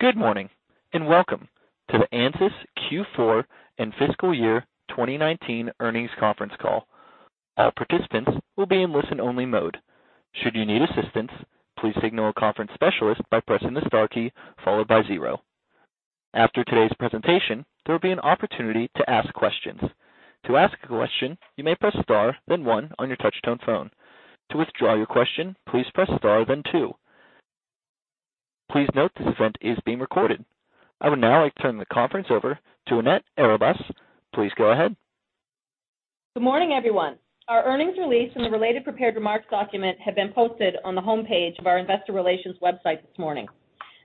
Good morning, and welcome to the ANSYS Q4 and fiscal year 2019 earnings conference call. All participants will be in listen-only mode. Should you need assistance, please signal a conference specialist by pressing the star key followed by 0. After today's presentation, there will be an opportunity to ask questions. To ask a question, you may press star, then 1 on your touch-tone phone. To withdraw your question, please press star, then 2. Please note this event is being recorded. I would now like to turn the conference over to Annette Arribas. Please go ahead. Good morning, everyone. Our earnings release and the related prepared remarks document have been posted on the homepage of our investor relations website this morning.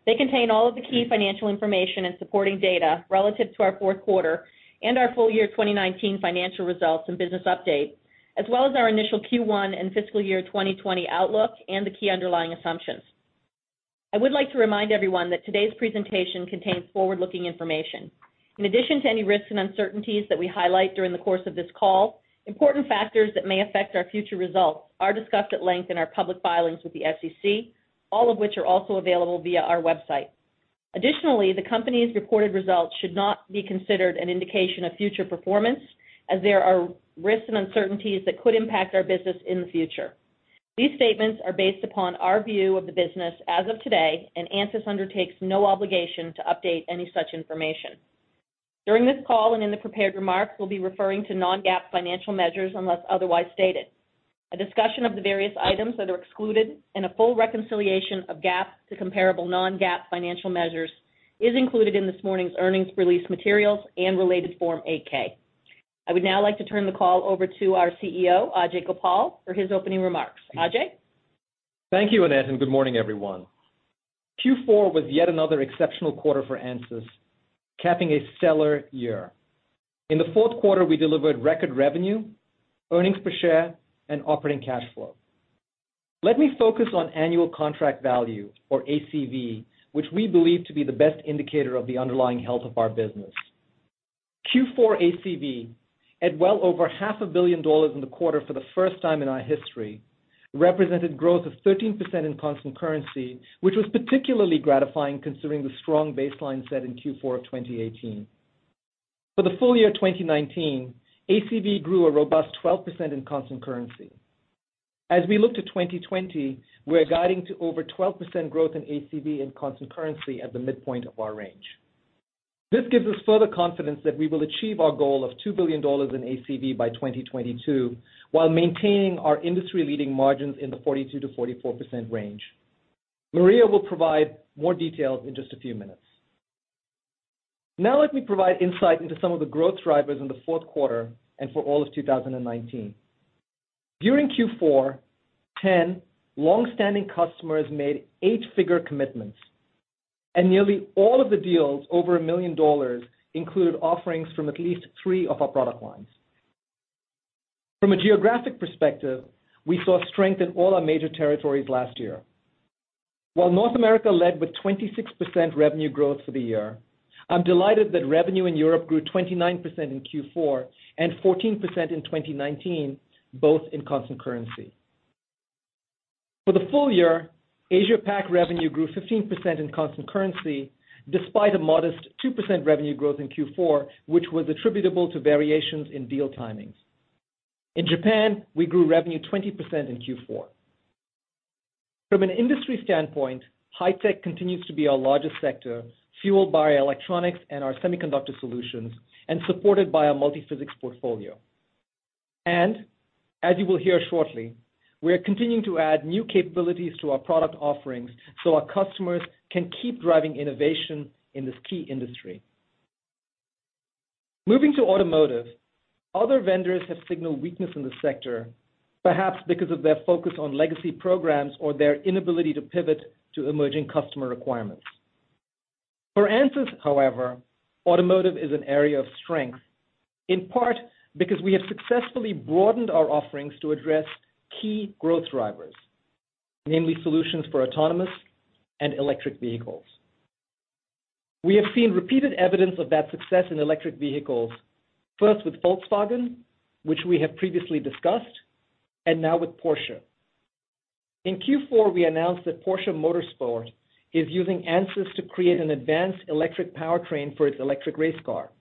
They contain all of the key financial information and supporting data relative to our fourth quarter and our full year 2019 financial results and business update, as well as our initial Q1 and fiscal year 2020 outlook and the key underlying assumptions. I would like to remind everyone that today's presentation contains forward-looking information. In addition to any risks and uncertainties that we highlight during the course of this call, important factors that may affect our future results are discussed at length in our public filings with the SEC, all of which are also available via our website. Additionally, the company's reported results should not be considered an indication of future performance, as there are risks and uncertainties that could impact our business in the future. These statements are based upon our view of the business as of today, and ANSYS undertakes no obligation to update any such information. During this call and in the prepared remarks, we'll be referring to non-GAAP financial measures unless otherwise stated. A discussion of the various items that are excluded and a full reconciliation of GAAP to comparable non-GAAP financial measures is included in this morning's earnings release materials and related Form 8-K. I would now like to turn the call over to our CEO, Ajei Gopal, for his opening remarks. Ajei? Thank you, Annette, and good morning, everyone. Q4 was yet another exceptional quarter for ANSYS, capping a stellar year. In the fourth quarter, we delivered record revenue, earnings per share, and operating cash flow. Let me focus on annual contract value, or ACV, which we believe to be the best indicator of the underlying health of our business. Q4 ACV, at well over half a billion dollars in the quarter for the first time in our history, represented growth of 13% in constant currency, which was particularly gratifying considering the strong baseline set in Q4 of 2018. For the full year 2019, ACV grew a robust 12% in constant currency. As we look to 2020, we are guiding to over 12% growth in ACV in constant currency at the midpoint of our range. This gives us further confidence that we will achieve our goal of $2 billion in ACV by 2022 while maintaining our industry-leading margins in the 42%-44% range. Maria will provide more details in just a few minutes. Now let me provide insight into some of the growth drivers in the fourth quarter and for all of 2019. During Q4, 10 longstanding customers made eight-figure commitments, and nearly all of the deals over $1 million included offerings from at least three of our product lines. From a geographic perspective, we saw strength in all our major territories last year. While North America led with 26% revenue growth for the year, I'm delighted that revenue in Europe grew 29% in Q4 and 14% in 2019, both in constant currency. For the full year, Asia Pac revenue grew 15% in constant currency, despite a modest 2% revenue growth in Q4, which was attributable to variations in deal timings. In Japan, we grew revenue 20% in Q4. As you will hear shortly, we are continuing to add new capabilities to our product offerings so our customers can keep driving innovation in this key industry. Moving to automotive, other vendors have signaled weakness in the sector, perhaps because of their focus on legacy programs or their inability to pivot to emerging customer requirements. For ANSYS, however, automotive is an area of strength, in part because we have successfully broadened our offerings to address key growth drivers, namely solutions for autonomous and electric vehicles. We have seen repeated evidence of that success in electric vehicles, first with Volkswagen, which we have previously discussed, and now with Porsche. In Q4, we announced that Porsche Motorsport is using ANSYS to create an advanced electric powertrain for its electric race car.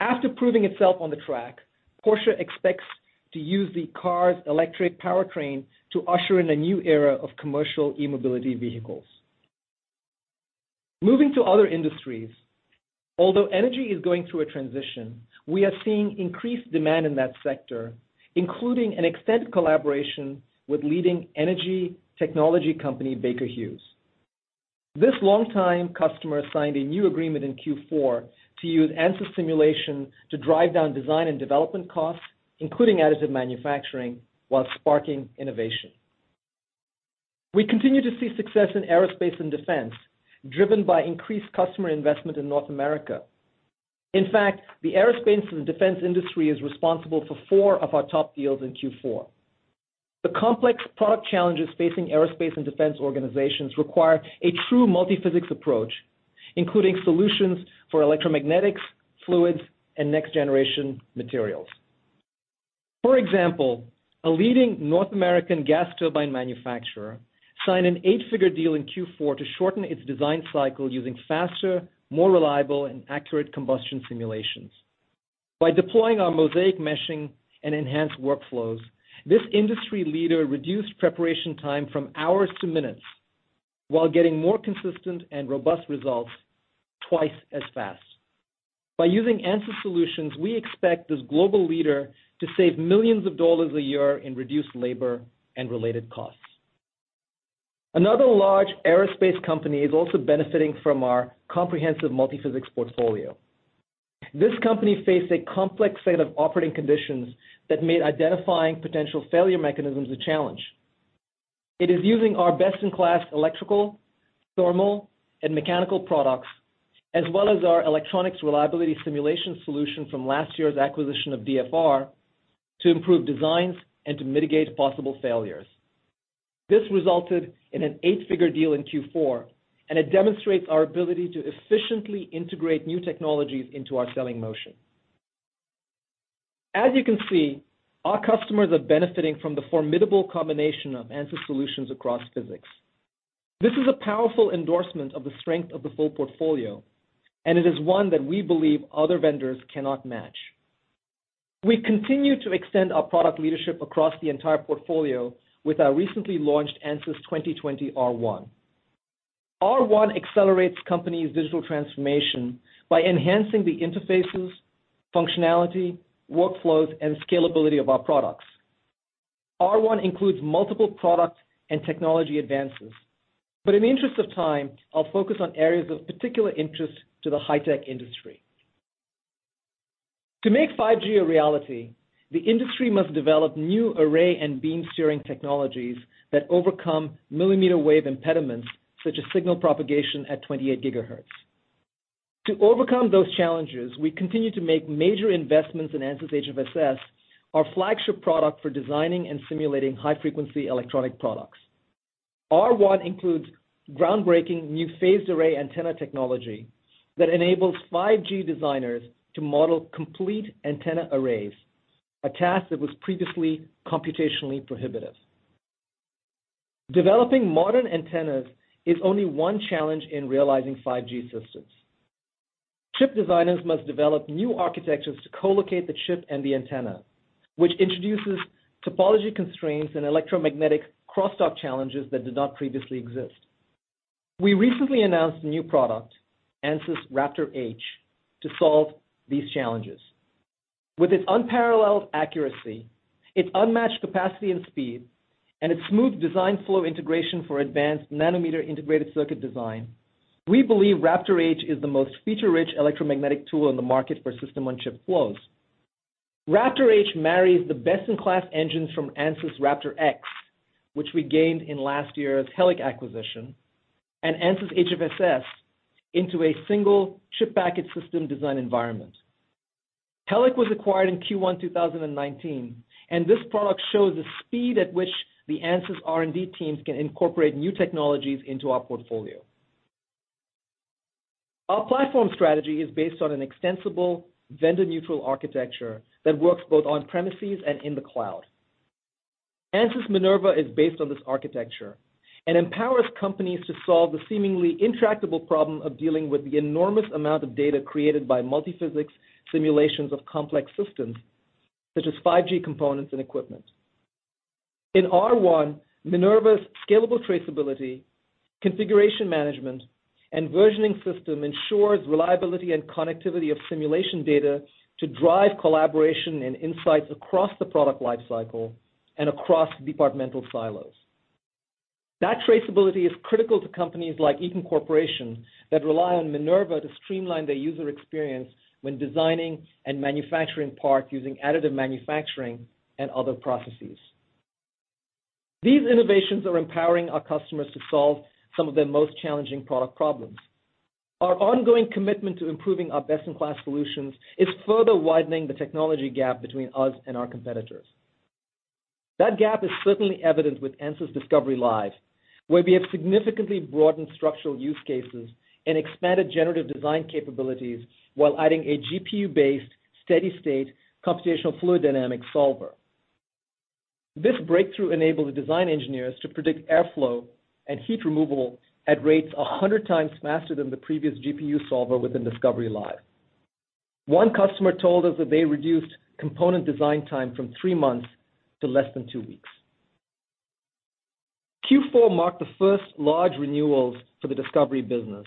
After proving itself on the track, Porsche expects to use the car's electric powertrain to usher in a new era of commercial e-mobility vehicles. Moving to other industries, although energy is going through a transition, we are seeing increased demand in that sector, including an extended collaboration with leading energy technology company Baker Hughes. This longtime customer signed a new agreement in Q4 to use ANSYS simulation to drive down design and development costs, including additive manufacturing, while sparking innovation. We continue to see success in aerospace and defense, driven by increased customer investment in North America. In fact, the aerospace and defense industry is responsible for four of our top deals in Q4. The complex product challenges facing aerospace and defense organizations require a true multiphysics approach, including solutions for electromagnetics, fluids, and next-generation materials. For example, a leading North American gas turbine manufacturer signed an eight-figure deal in Q4 to shorten its design cycle using faster, more reliable, and accurate combustion simulations. By deploying our Mosaic meshing and enhanced workflows, this industry leader reduced preparation time from hours to minutes while getting more consistent and robust results twice as fast. By using ANSYS solutions, we expect this global leader to save $ millions a year in reduced labor and related costs. Another large aerospace company is also benefiting from our comprehensive multiphysics portfolio. This company faced a complex set of operating conditions that made identifying potential failure mechanisms a challenge. It is using our best-in-class electrical, thermal, and mechanical products, as well as our electronics reliability simulation solution from last year's acquisition of DfR, to improve designs and to mitigate possible failures. This resulted in an eight-figure deal in Q4. It demonstrates our ability to efficiently integrate new technologies into our selling motion. As you can see, our customers are benefiting from the formidable combination of ANSYS solutions across physics. This is a powerful endorsement of the strength of the full portfolio. It is one that we believe other vendors cannot match. We continue to extend our product leadership across the entire portfolio with our recently launched Ansys 2020 R1. R1 accelerates companies' digital transformation by enhancing the interfaces, functionality, workflows, and scalability of our products. R1 includes multiple product and technology advances. In the interest of time, I'll focus on areas of particular interest to the high-tech industry. To make 5G a reality, the industry must develop new array and beam steering technologies that overcome millimeter wave impediments, such as signal propagation at 28 GHz. To overcome those challenges, we continue to make major investments in Ansys HFSS, our flagship product for designing and simulating high-frequency electronic products. R1 includes groundbreaking new phased array antenna technology that enables 5G designers to model complete antenna arrays, a task that was previously computationally prohibitive. Developing modern antennas is only one challenge in realizing 5G systems. Chip designers must develop new architectures to co-locate the chip and the antenna, which introduces topology constraints and electromagnetic crosstalk challenges that did not previously exist. We recently announced a new product, Ansys RaptorH, to solve these challenges. With its unparalleled accuracy, its unmatched capacity and speed, and its smooth design flow integration for advanced nanometer integrated circuit design, we believe RaptorH is the most feature-rich electromagnetic tool in the market for system-on-chip flows. RaptorH marries the best-in-class engines from Ansys RaptorX, which we gained in last year's Helic acquisition, and Ansys HFSS into a single chip package system design environment. Helic was acquired in Q1 2019, and this product shows the speed at which the Ansys R&D teams can incorporate new technologies into our portfolio. Our platform strategy is based on an extensible vendor-neutral architecture that works both on premises and in the cloud. Ansys Minerva is based on this architecture and empowers companies to solve the seemingly intractable problem of dealing with the enormous amount of data created by multiphysics simulations of complex systems, such as 5G components and equipment. In R1, Minerva's scalable traceability, configuration management, and versioning system ensures reliability and connectivity of simulation data to drive collaboration and insights across the product life cycle and across departmental silos. That traceability is critical to companies like Eaton Corporation that rely on Minerva to streamline their user experience when designing and manufacturing parts using additive manufacturing and other processes. These innovations are empowering our customers to solve some of their most challenging product problems. Our ongoing commitment to improving our best-in-class solutions is further widening the technology gap between us and our competitors. That gap is certainly evident with Ansys Discovery Live, where we have significantly broadened structural use cases and expanded generative design capabilities while adding a GPU-based, steady-state computational fluid dynamics solver. This breakthrough enabled the design engineers to predict airflow and heat removal at rates 100 times faster than the previous GPU solver within Discovery Live. One customer told us that they reduced component design time from three months to less than two weeks. Q4 marked the first large renewals for the Discovery business,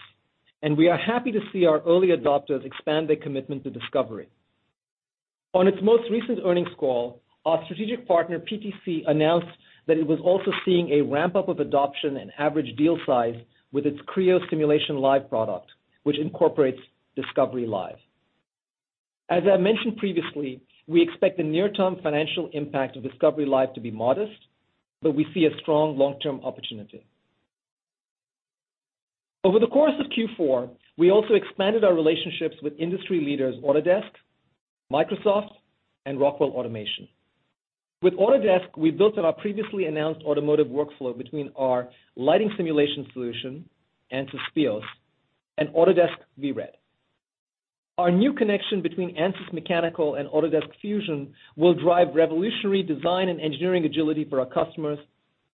and we are happy to see our early adopters expand their commitment to Discovery. On its most recent earnings call, our strategic partner PTC announced that it was also seeing a ramp-up of adoption and average deal size with its Creo Simulation Live product, which incorporates Discovery Live. As I mentioned previously, we expect the near-term financial impact of Discovery Live to be modest, but we see a strong long-term opportunity. Over the course of Q4, we also expanded our relationships with industry leaders Autodesk, Microsoft, and Rockwell Automation. With Autodesk, we built on our previously announced automotive workflow between our lighting simulation solution, Ansys Speos, and Autodesk VRED. Our new connection between Ansys Mechanical and Autodesk Fusion will drive revolutionary design and engineering agility for our customers,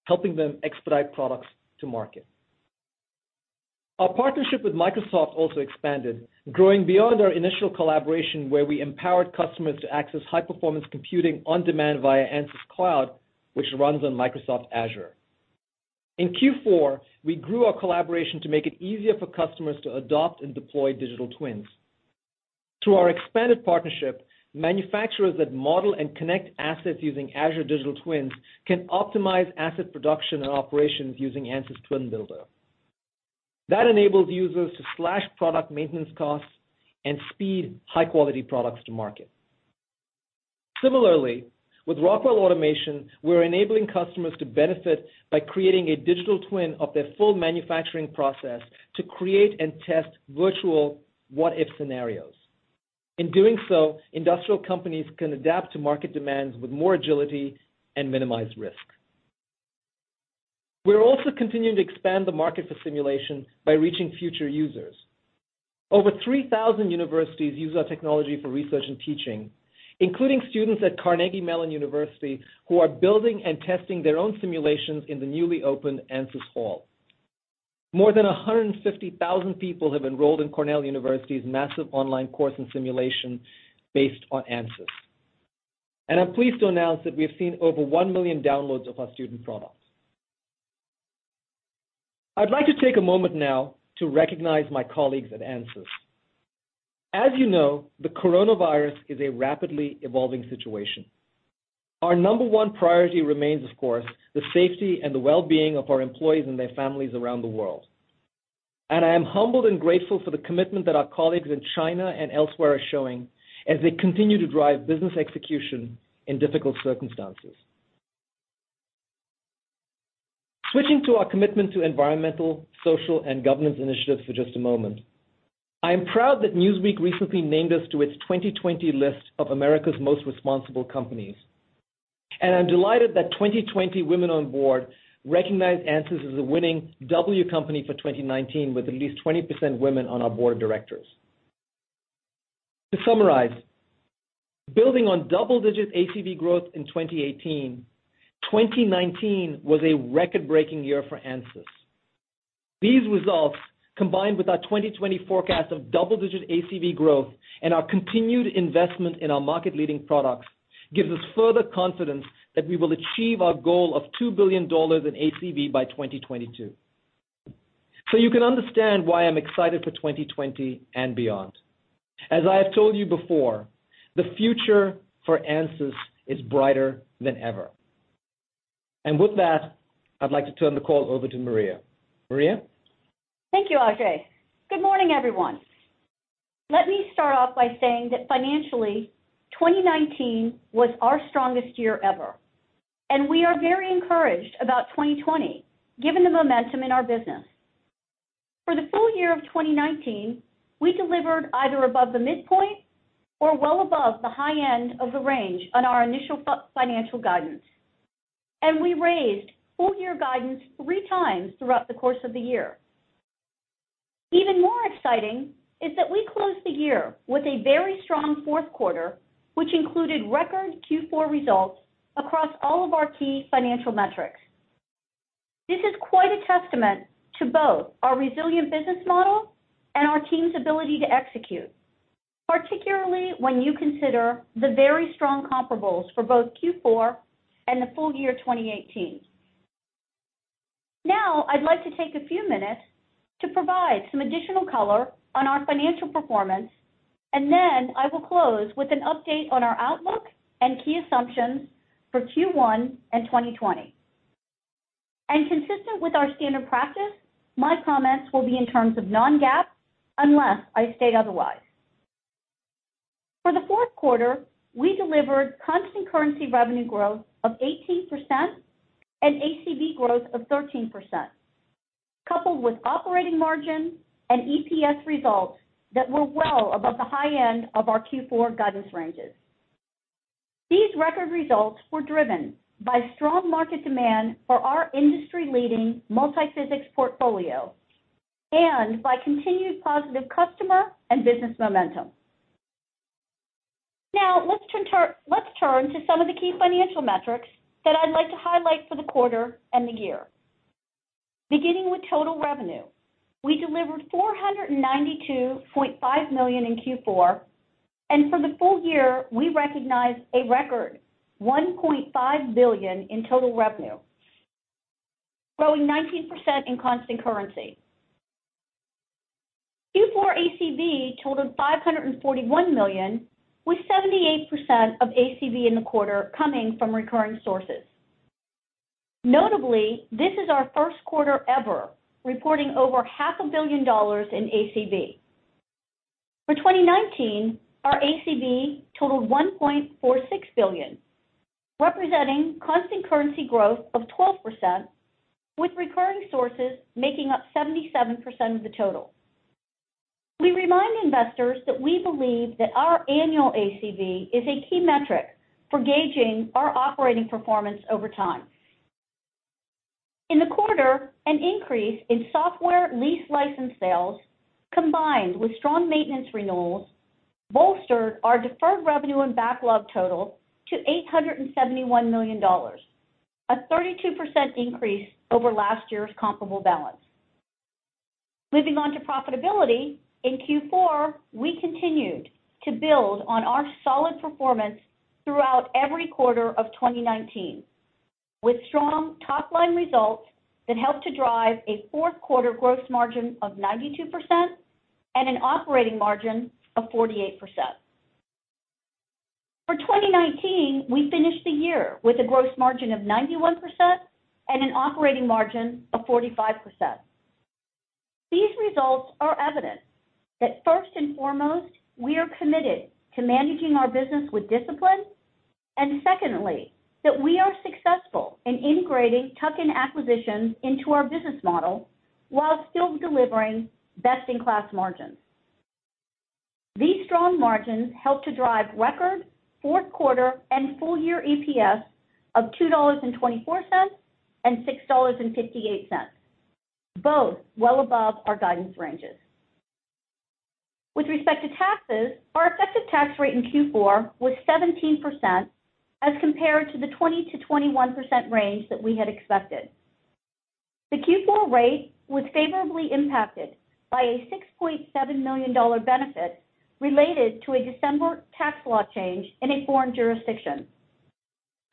helping them expedite products to market. Our partnership with Microsoft also expanded, growing beyond our initial collaboration, where we empowered customers to access high-performance computing on demand via Ansys Cloud, which runs on Microsoft Azure. In Q4, we grew our collaboration to make it easier for customers to adopt and deploy digital twins. Through our expanded partnership, manufacturers that model and connect assets using Azure Digital Twins can optimize asset production and operations using Ansys Twin Builder. That enables users to slash product maintenance costs and speed high-quality products to market. Similarly, with Rockwell Automation, we're enabling customers to benefit by creating a digital twin of their full manufacturing process to create and test virtual what-if scenarios. In doing so, industrial companies can adapt to market demands with more agility and minimized risk. We're also continuing to expand the market for simulation by reaching future users. Over 3,000 universities use our technology for research and teaching, including students at Carnegie Mellon University, who are building and testing their own simulations in the newly opened Ansys Hall. More than 150,000 people have enrolled in Cornell University's massive online course in simulation based on Ansys. I'm pleased to announce that we have seen over 1 million downloads of our student product. I'd like to take a moment now to recognize my colleagues at Ansys. As you know, the coronavirus is a rapidly evolving situation. Our number one priority remains, of course, the safety and the well-being of our employees and their families around the world. I am humbled and grateful for the commitment that our colleagues in China and elsewhere are showing as they continue to drive business execution in difficult circumstances. Switching to our commitment to environmental, social, and governance initiatives for just a moment. I am proud that Newsweek recently named us to its 2020 list of America's most responsible companies. I am delighted that 2020 Women on Board recognized Ansys as a winning W company for 2019, with at least 20% women on our board of directors. To summarize, building on double-digit ACV growth in 2018, 2019 was a record-breaking year for Ansys. These results, combined with our 2020 forecast of double-digit ACV growth and our continued investment in our market-leading products, gives us further confidence that we will achieve our goal of $2 billion in ACV by 2022. You can understand why I'm excited for 2020 and beyond. As I have told you before, the future for ANSYS is brighter than ever. With that, I'd like to turn the call over to Maria. Maria? Thank you, Ajei. Good morning, everyone. Let me start off by saying that financially, 2019 was our strongest year ever, and we are very encouraged about 2020, given the momentum in our business. For the full year of 2019, we delivered either above the midpoint or well above the high end of the range on our initial financial guidance, and we raised full-year guidance three times throughout the course of the year. Even more exciting is that we closed the year with a very strong fourth quarter, which included record Q4 results across all of our key financial metrics. This is quite a testament to both our resilient business model and our team's ability to execute, particularly when you consider the very strong comparables for both Q4 and the full year 2018. Now, I'd like to take a few minutes to provide some additional color on our financial performance, and then I will close with an update on our outlook and key assumptions for Q1 and 2020. Consistent with our standard practice, my comments will be in terms of non-GAAP, unless I state otherwise. For the fourth quarter, we delivered constant currency revenue growth of 18% and ACV growth of 13%, coupled with operating margin and EPS results that were well above the high end of our Q4 guidance ranges. These record results were driven by strong market demand for our industry-leading multiphysics portfolio and by continued positive customer and business momentum. Now, let's turn to some of the key financial metrics that I'd like to highlight for the quarter and the year. Beginning with total revenue, we delivered $492.5 million in Q4, and for the full year, we recognized a record $1.5 billion in total revenue, growing 19% in constant currency. Q4 ACV totaled $541 million, with 78% of ACV in the quarter coming from recurring sources. Notably, this is our first quarter ever reporting over half a billion dollars in ACV. For 2019, our ACV totaled $1.46 billion, representing constant currency growth of 12%, with recurring sources making up 77% of the total. We remind investors that we believe that our annual ACV is a key metric for gauging our operating performance over time. In the quarter, an increase in software lease license sales, combined with strong maintenance renewals, bolstered our deferred revenue and backlog total to $871 million, a 32% increase over last year's comparable balance. Moving on to profitability, in Q4, we continued to build on our solid performance throughout every quarter of 2019, with strong top-line results that helped to drive a fourth quarter gross margin of 92% and an operating margin of 48%. For 2019, we finished the year with a gross margin of 91% and an operating margin of 45%. These results are evidence that first and foremost, we are committed to managing our business with discipline, and secondly, that we are successful in integrating tuck-in acquisitions into our business model while still delivering best-in-class margins. These strong margins help to drive record fourth quarter and full year EPS of $2.24 and $6.58, both well above our guidance ranges. With respect to taxes, our effective tax rate in Q4 was 17%, as compared to the 20%-21% range that we had expected. The Q4 rate was favorably impacted by a $6.7 million benefit related to a December tax law change in a foreign jurisdiction.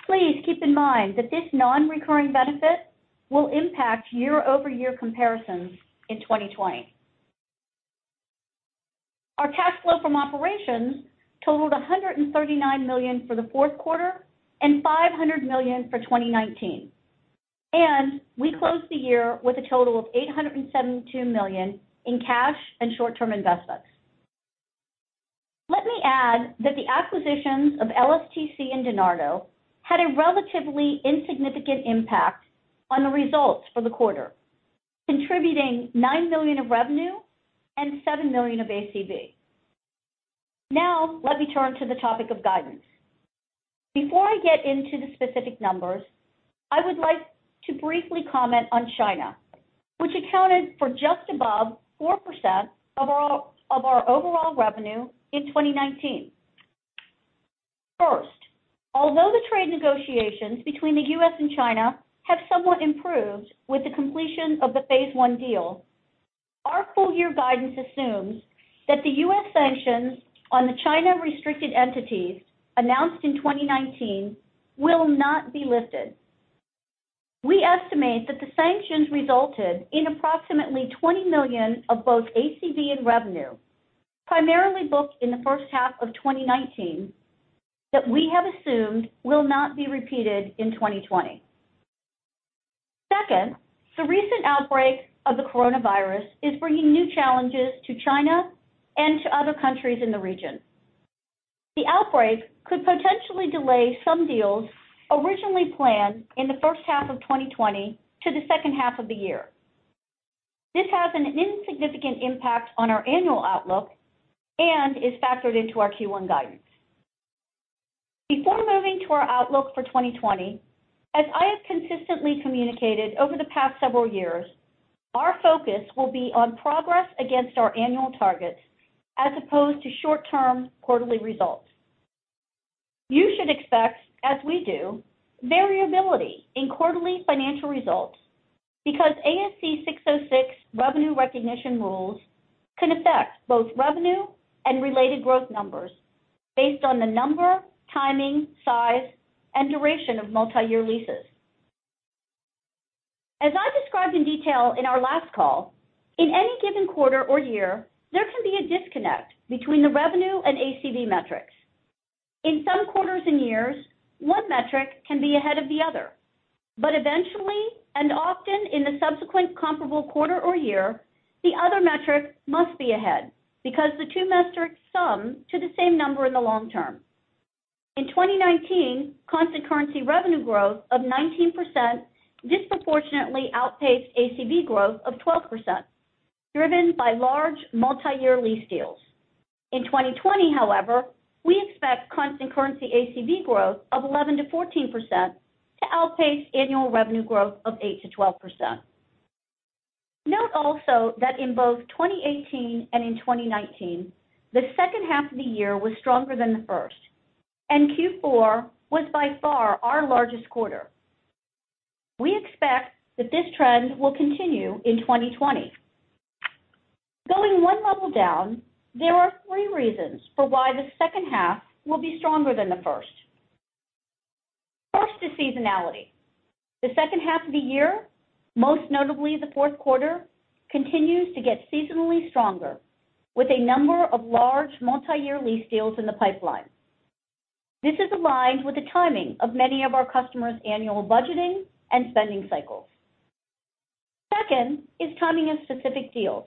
Please keep in mind that this non-recurring benefit will impact year-over-year comparisons in 2020. Our cash flow from operations totaled $139 million for the fourth quarter and $500 million for 2019, and we closed the year with a total of $872 million in cash and short-term investments. Let me add that the acquisitions of LSTC and Dynardo had a relatively insignificant impact on the results for the quarter, contributing $9 million of revenue and $7 million of ACV. Let me turn to the topic of guidance. Before I get into the specific numbers, I would like to briefly comment on China, which accounted for just above 4% of our overall revenue in 2019. First, although the trade negotiations between the U.S., and China have somewhat improved with the completion of the phase I deal, our full-year guidance assumes that the US sanctions on the China restricted entities announced in 2019 will not be lifted. We estimate that the sanctions resulted in approximately $20 million of both ACV and revenue, primarily booked in the first half of 2019, that we have assumed will not be repeated in 2020. Second, the recent outbreak of the coronavirus is bringing new challenges to China and to other countries in the region. The outbreak could potentially delay some deals originally planned in the first half of 2020 to the second half of the year. This has an insignificant impact on our annual outlook and is factored into our Q1 guidance. Before moving to our outlook for 2020, as I have consistently communicated over the past several years, our focus will be on progress against our annual targets as opposed to short-term quarterly results. You should expect, as we do, variability in quarterly financial results because ASC 606 revenue recognition rules can affect both revenue and related growth numbers based on the number, timing, size, and duration of multi-year leases. As I described in detail in our last call, in any given quarter or year, there can be a disconnect between the revenue and ACV metrics. In some quarters and years, one metric can be ahead of the other, but eventually, and often in the subsequent comparable quarter or year, the other metric must be ahead because the two metrics sum to the same number in the long term. In 2019, constant currency revenue growth of 19% disproportionately outpaced ACV growth of 12%, driven by large multi-year lease deals. In 2020, however, we expect constant currency ACV growth of 11%-14% to outpace annual revenue growth of 8%-12%. Note also that in both 2018 and in 2019, the second half of the year was stronger than the first, and Q4 was by far our largest quarter. We expect that this trend will continue in 2020. Going one level down, there are three reasons for why the second half will be stronger than the first. First is seasonality. The second half of the year, most notably the fourth quarter, continues to get seasonally stronger with a number of large multi-year lease deals in the pipeline. This is aligned with the timing of many of our customers' annual budgeting and spending cycles. Second is timing of specific deals.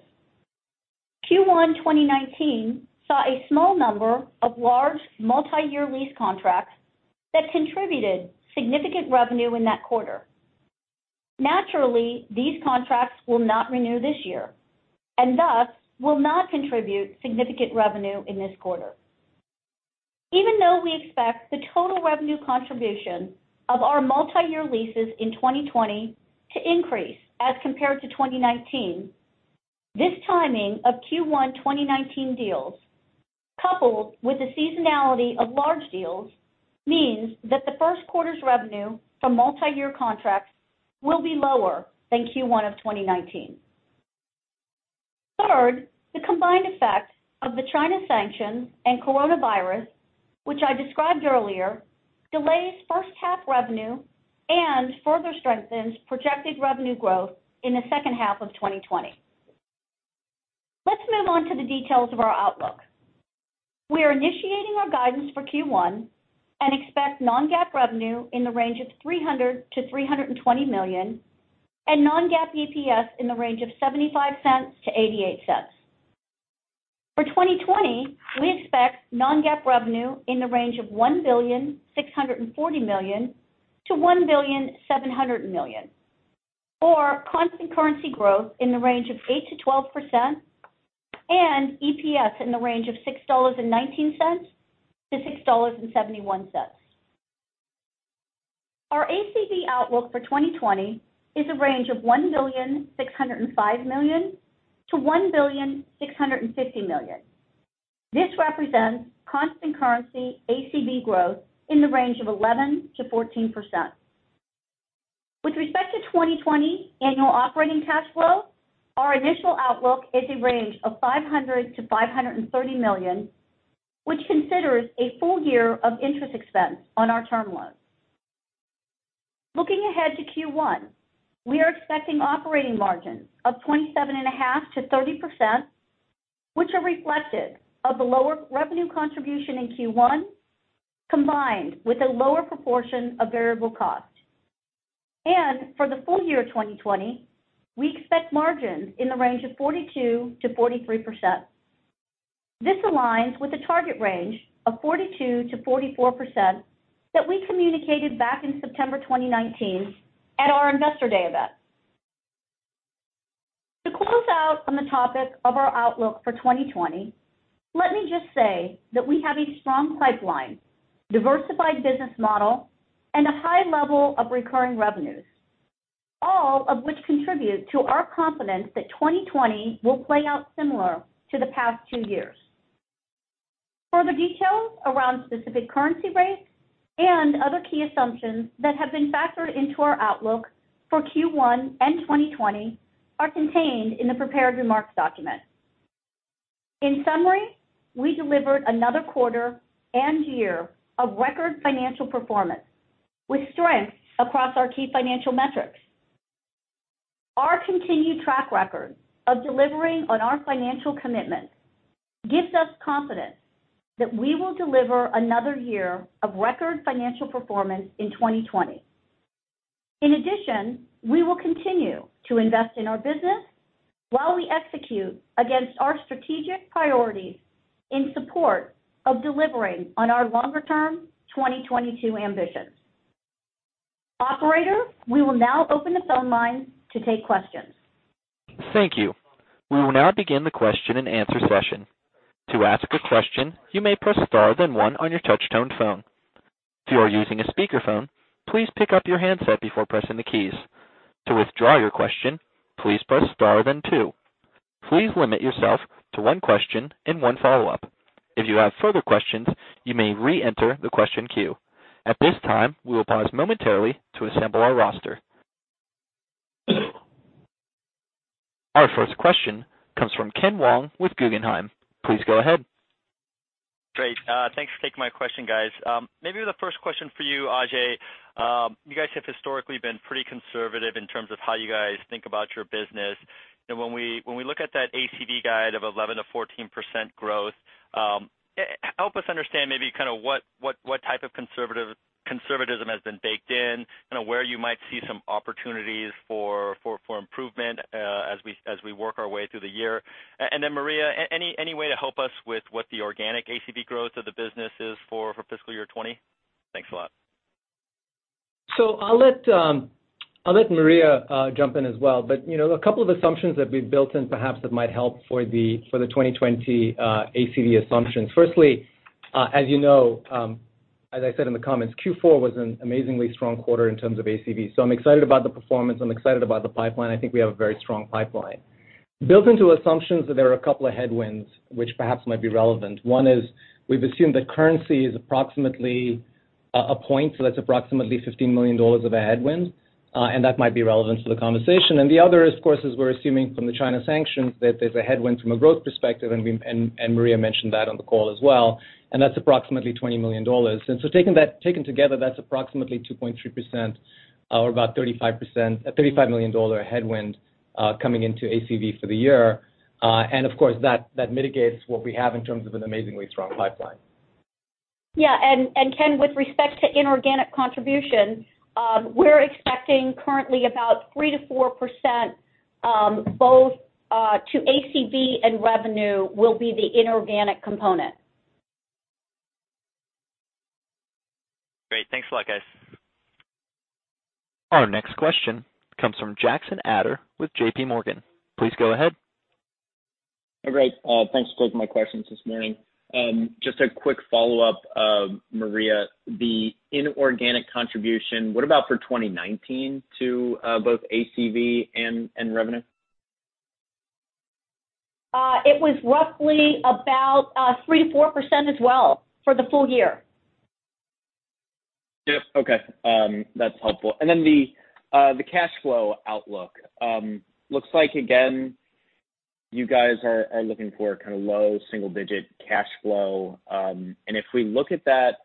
Q1 2019 saw a small number of large multi-year lease contracts that contributed significant revenue in that quarter. Naturally, these contracts will not renew this year, and thus will not contribute significant revenue in this quarter. Even though we expect the total revenue contribution of our multi-year leases in 2020 to increase as compared to 2019, this timing of Q1 2019 deals, coupled with the seasonality of large deals, means that the first quarter's revenue from multi-year contracts will be lower than Q1 of 2019. Third, the combined effect of the China sanctions and coronavirus, which I described earlier, delays first half revenue and further strengthens projected revenue growth in the second half of 2020. Let's move on to the details of our outlook. We are initiating our guidance for Q1 and expect non-GAAP revenue in the range of $300 million-$320 million, and non-GAAP EPS in the range of $0.75-$0.88. For 2020, we expect non-GAAP revenue in the range of $1.64 billion-$1.70 billion, or constant currency growth in the range of 8%-12%, and EPS in the range of $6.19-$6.71. Our ACV outlook for 2020 is a range of $1.605 billion-$1.650 billion. This represents constant currency ACV growth in the range of 11%-14%. With respect to 2020 annual operating cash flow, our initial outlook is a range of $500 million-$530 million, which considers a full year of interest expense on our term loans. Looking ahead to Q1, we are expecting operating margins of 27.5%-30%, which are reflective of the lower revenue contribution in Q1, combined with a lower proportion of variable costs. For the full year 2020, we expect margins in the range of 42%-43%. This aligns with the target range of 42%-44% that we communicated back in September 2019 at our Investor Day event. To close out on the topic of our outlook for 2020, let me just say that we have a strong pipeline, diversified business model, and a high level of recurring revenues, all of which contribute to our confidence that 2020 will play out similar to the past two years. Further details around specific currency rates and other key assumptions that have been factored into our outlook for Q1 and 2020 are contained in the prepared remarks document. In summary, we delivered another quarter and year of record financial performance, with strength across our key financial metrics. Our continued track record of delivering on our financial commitments gives us confidence that we will deliver another year of record financial performance in 2020. In addition, we will continue to invest in our business while we execute against our strategic priorities in support of delivering on our longer term 2022 ambitions. Operator, we will now open the phone lines to take questions. Thank you. We will now begin the question and answer session. To ask a question, you may press star, then one on your touchtone phone. If you are using a speakerphone, please pick up your handset before pressing the keys. To withdraw your question, please press star, then two. Please limit yourself to one question and one follow-up. If you have further questions, you may re-enter the question queue. At this time, we will pause momentarily to assemble our roster. Our first question comes from Ken Wong with Guggenheim. Please go ahead. Great. Thanks for taking my question, guys. Maybe the first question for you, Ajei. You guys have historically been pretty conservative in terms of how you guys think about your business. When we look at that ACV guide of 11%-14% growth, help us understand maybe kind of what type of conservatism has been baked in, where you might see some opportunities for improvement as we work our way through the year. Then Maria, any way to help us with what the organic ACV growth of the business is for fiscal year 2020? Thanks a lot. I'll let Maria jump in as well. A couple of assumptions that we've built in perhaps that might help for the 2020 ACV assumptions. Firstly, as you know, as I said in the comments, Q4 was an amazingly strong quarter in terms of ACV. I'm excited about the performance. I'm excited about the pipeline. I think we have a very strong pipeline. Built into assumptions that there are a couple of headwinds, which perhaps might be relevant. One is we've assumed that currency is approximately 1 point, so that's approximately $15 million of a headwind, and that might be relevant to the conversation. The other, of course, is we're assuming from the China sanctions that there's a headwind from a growth perspective, and Maria mentioned that on the call as well, and that's approximately $20 million. Taken together, that's approximately 2.3%, or about $35 million headwind coming into ACV for the year. Of course, that mitigates what we have in terms of an amazingly strong pipeline. Yeah. Ken, with respect to inorganic contribution, we're expecting currently about 3%-4%, both to ACV and revenue will be the inorganic component. Great. Thanks a lot, guys. Our next question comes from Jackson Ader with JPMorgan. Please go ahead. Great. Thanks for taking my questions this morning. Just a quick follow-up, Maria. The inorganic contribution, what about for 2019 to both ACV and revenue? It was roughly about 3%-4% as well for the full year. Yes. Okay. That's helpful. The cash flow outlook looks like, again, you guys are looking for low single-digit cash flow. If we look at that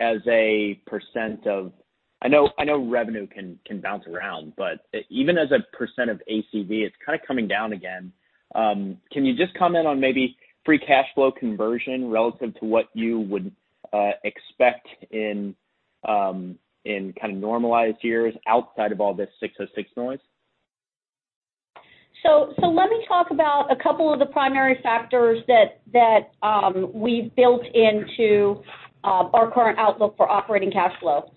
as a percent of, I know revenue can bounce around, but even as a percent of ACV, it's kind of coming down again. Can you just comment on maybe free cash flow conversion relative to what you would expect in normalized years outside of all this 606 noise? Let me talk about a couple of the primary factors that we've built into our current outlook for operating cash flow.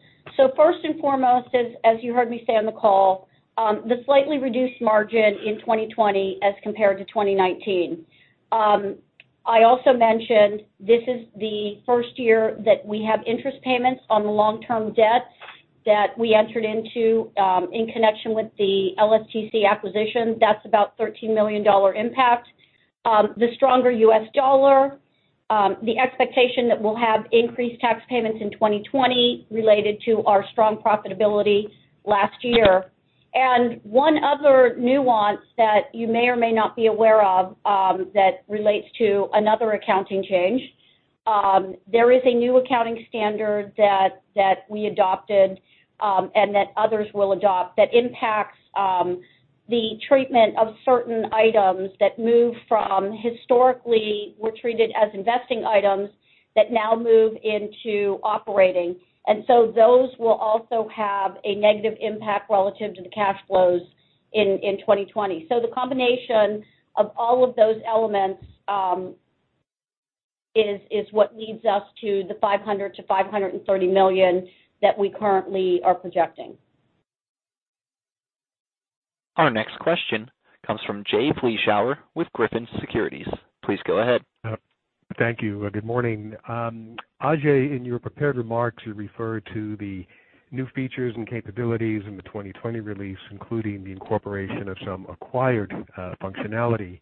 First and foremost, as you heard me say on the call, the slightly reduced margin in 2020 as compared to 2019. I also mentioned this is the first year that we have interest payments on the long-term debt that we entered into in connection with the LSTC acquisition. That's about a $13 million impact. The stronger US dollar, the expectation that we'll have increased tax payments in 2020 related to our strong profitability last year. One other nuance that you may or may not be aware of that relates to another accounting change. There is a new accounting standard that we adopted, and that others will adopt, that impacts the treatment of certain items that move from historically were treated as investing items that now move into operating. Those will also have a negative impact relative to the cash flows in 2020. The combination of all of those elements is what leads us to the $500 million-$530 million that we currently are projecting. Our next question comes from Jay Vleeschhouwer with Griffin Securities. Please go ahead. Thank you. Good morning. Ajei, in your prepared remarks, you refer to the new features and capabilities in the 2020 release, including the incorporation of some acquired functionality.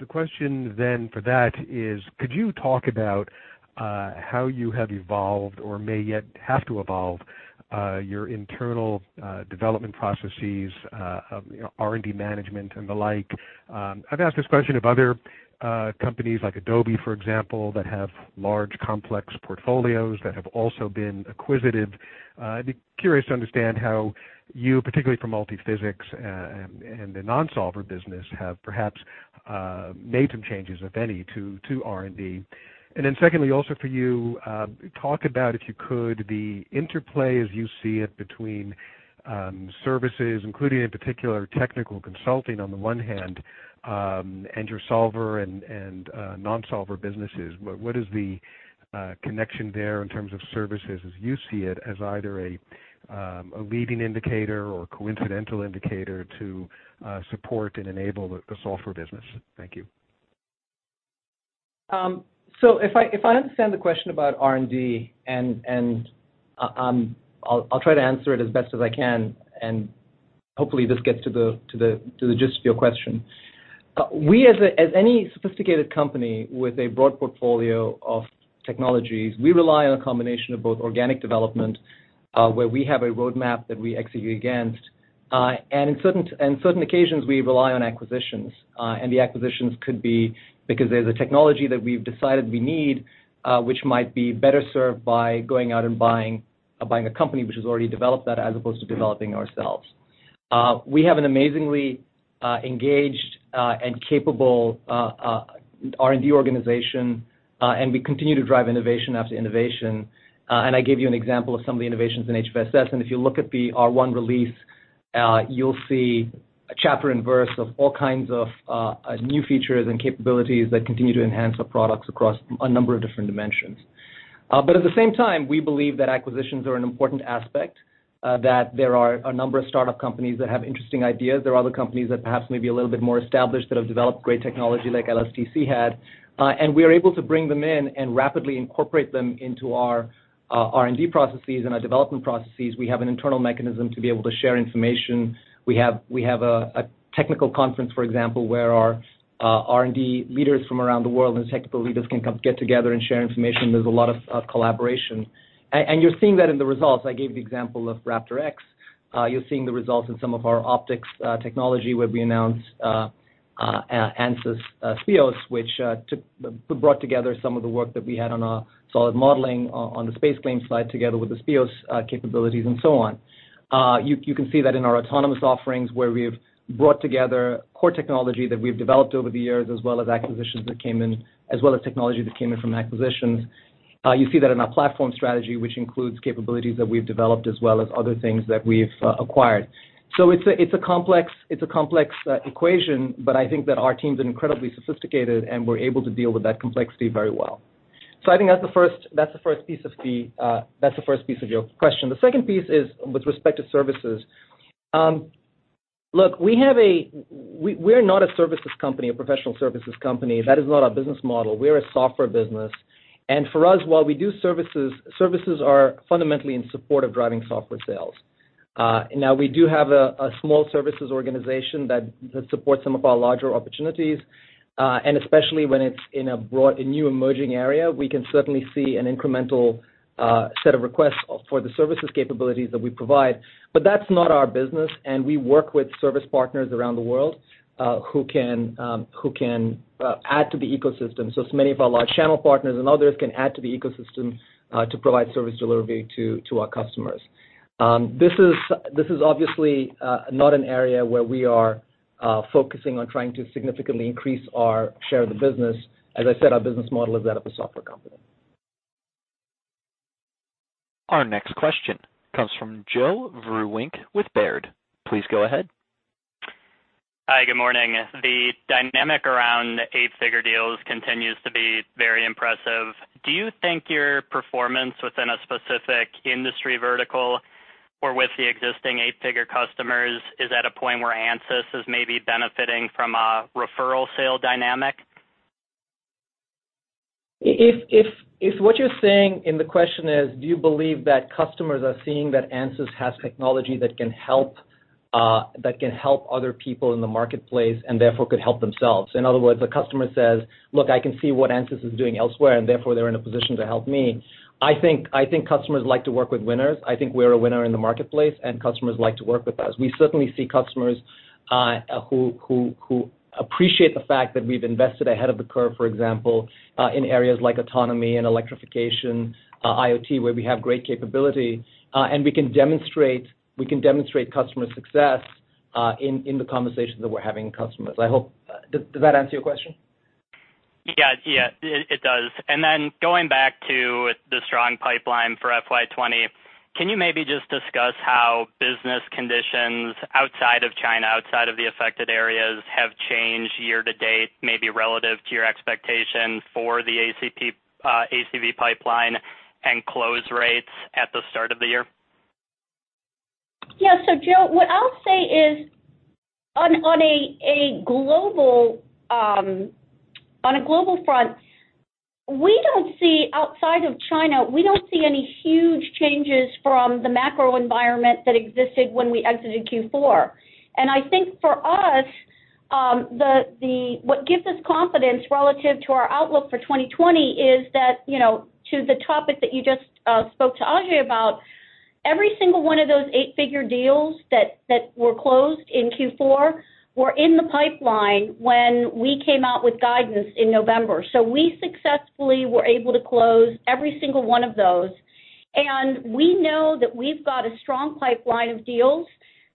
The question for that is, could you talk about how you have evolved or may yet have to evolve your internal development processes of R&D management and the like? I've asked this question of other companies like Adobe, for example, that have large, complex portfolios that have also been acquisitive. I'd be curious to understand how you, particularly for multiphysics and the nonsolver business, have perhaps made some changes, if any, to R&D. Secondly, also for you, talk about, if you could, the interplay as you see it between services, including in particular technical consulting on the one hand, and your solver and nonsolver businesses. What is the connection there in terms of services as you see it as either a leading indicator or coincidental indicator to support and enable the solver business? Thank you. If I understand the question about R&D, and I'll try to answer it as best as I can, and hopefully this gets to the gist of your question. We, as any sophisticated company with a broad portfolio of technologies, we rely on a combination of both organic development, where we have a roadmap that we execute against, and on certain occasions, we rely on acquisitions. The acquisitions could be because there's a technology that we've decided we need, which might be better served by going out and buying a company which has already developed that, as opposed to developing ourselves. We have an amazingly engaged and capable R&D organization, and we continue to drive innovation after innovation. I gave you an example of some of the innovations in Ansys HFSS, and if you look at the R1 release, you'll see chapter and verse of all kinds of new features and capabilities that continue to enhance our products across a number of different dimensions. At the same time, we believe that acquisitions are an important aspect, that there are a number of startup companies that have interesting ideas. There are other companies that perhaps may be a little bit more established that have developed great technology like LSTC had. We are able to bring them in and rapidly incorporate them into our R&D processes and our development processes. We have an internal mechanism to be able to share information. We have a technical conference, for example, where our R&D leaders from around the world and technical leaders can come get together and share information. There's a lot of collaboration. You're seeing that in the results. I gave the example of RaptorX. You're seeing the results in some of our optics technology where we announced Ansys Speos, which brought together some of the work that we had on our solid modeling on the SpaceClaim slide together with the Speos capabilities and so on. You can see that in our autonomous offerings where we've brought together core technology that we've developed over the years as well as technology that came in from acquisitions. You see that in our platform strategy, which includes capabilities that we've developed as well as other things that we've acquired. It's a complex equation, but I think that our team's incredibly sophisticated, and we're able to deal with that complexity very well. I think that's the first piece of your question. The second piece is with respect to services. Look, we're not a professional services company. That is not our business model. We are a software business. For us, while we do services are fundamentally in support of driving software sales. Now, we do have a small services organization that supports some of our larger opportunities, and especially when it's in a new emerging area, we can certainly see an incremental set of requests for the services capabilities that we provide. That's not our business, and we work with service partners around the world who can add to the ecosystem. Many of our large channel partners and others can add to the ecosystem, to provide service delivery to our customers. This is obviously not an area where we are focusing on trying to significantly increase our share of the business. As I said, our business model is that of a software company. Our next question comes from Joe Vruwink with Baird. Please go ahead. Hi, good morning. The dynamic around eight-figure deals continues to be very impressive. Do you think your performance within a specific industry vertical or with the existing eight-figure customers is at a point where ANSYS is maybe benefiting from a referral sale dynamic? If what you're saying in the question is, do you believe that customers are seeing that ANSYS has technology that can help other people in the marketplace, and therefore could help themselves? In other words, a customer says, "Look, I can see what ANSYS is doing elsewhere, and therefore they're in a position to help me." I think customers like to work with winners. I think we're a winner in the marketplace, and customers like to work with us. We certainly see customers who appreciate the fact that we've invested ahead of the curve, for example, in areas like autonomy and electrification, IoT, where we have great capability, and we can demonstrate customer success in the conversations that we're having with customers. Does that answer your question? Yeah, it does. Going back to the strong pipeline for FY 2020, can you maybe just discuss how business conditions outside of China, outside of the affected areas, have changed year to date, maybe relative to your expectation for the ACV pipeline and close rates at the start of the year? Yeah. Joe, what I'll say is, on a global front, outside of China, we don't see any huge changes from the macro environment that existed when we exited Q4. I think for us, what gives us confidence relative to our outlook for 2020 is that, to the topic that you just spoke to Ajei about, every single one of those eight-figure deals that were closed in Q4 were in the pipeline when we came out with guidance in November. We successfully were able to close every single one of those. We know that we've got a strong pipeline of deals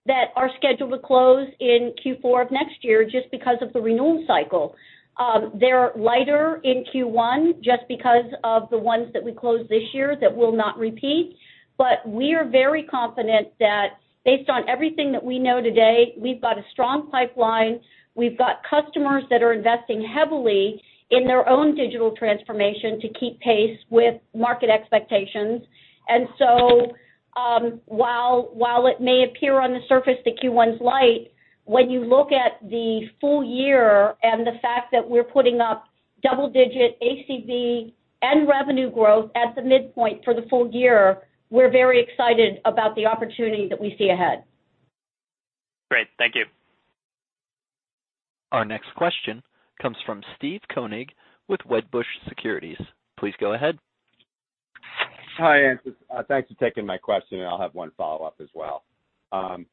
that are scheduled to close in Q4 of next year just because of the renewal cycle. They're lighter in Q1 just because of the ones that we closed this year that will not repeat. We are very confident that based on everything that we know today, we've got a strong pipeline. We've got customers that are investing heavily in their own digital transformation to keep pace with market expectations. While it may appear on the surface that Q1's light, when you look at the full year and the fact that we're putting up double-digit ACV and revenue growth at the midpoint for the full year, we're very excited about the opportunity that we see ahead. Great. Thank you. Our next question comes from Steve Koenig with Wedbush Securities. Please go ahead. Hi, ANSYS. Thanks for taking my question, and I'll have one follow-up as well. On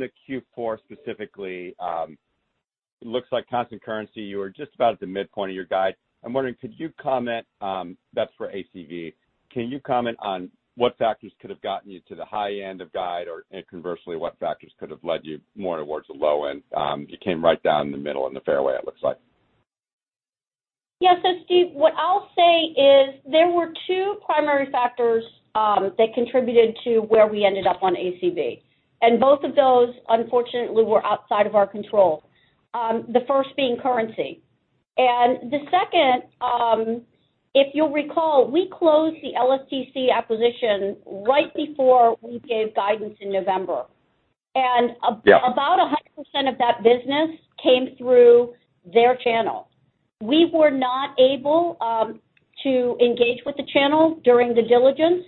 the Q4 specifically, it looks like constant currency, you are just about at the midpoint of your guide. I'm wondering, could you comment, that's for ACV, can you comment on what factors could have gotten you to the high end of guide, or conversely, what factors could have led you more towards the low end? You came right down the middle in the fairway, it looks like. Yeah. Steve, what I'll say is there were two primary factors that contributed to where we ended up on ACV, and both of those, unfortunately, were outside of our control. The first being currency. The second, if you'll recall, we closed the LSTC acquisition right before we gave guidance in November. Yeah. About 100% of that business came through their channel. We were not able to engage with the channel during the diligence.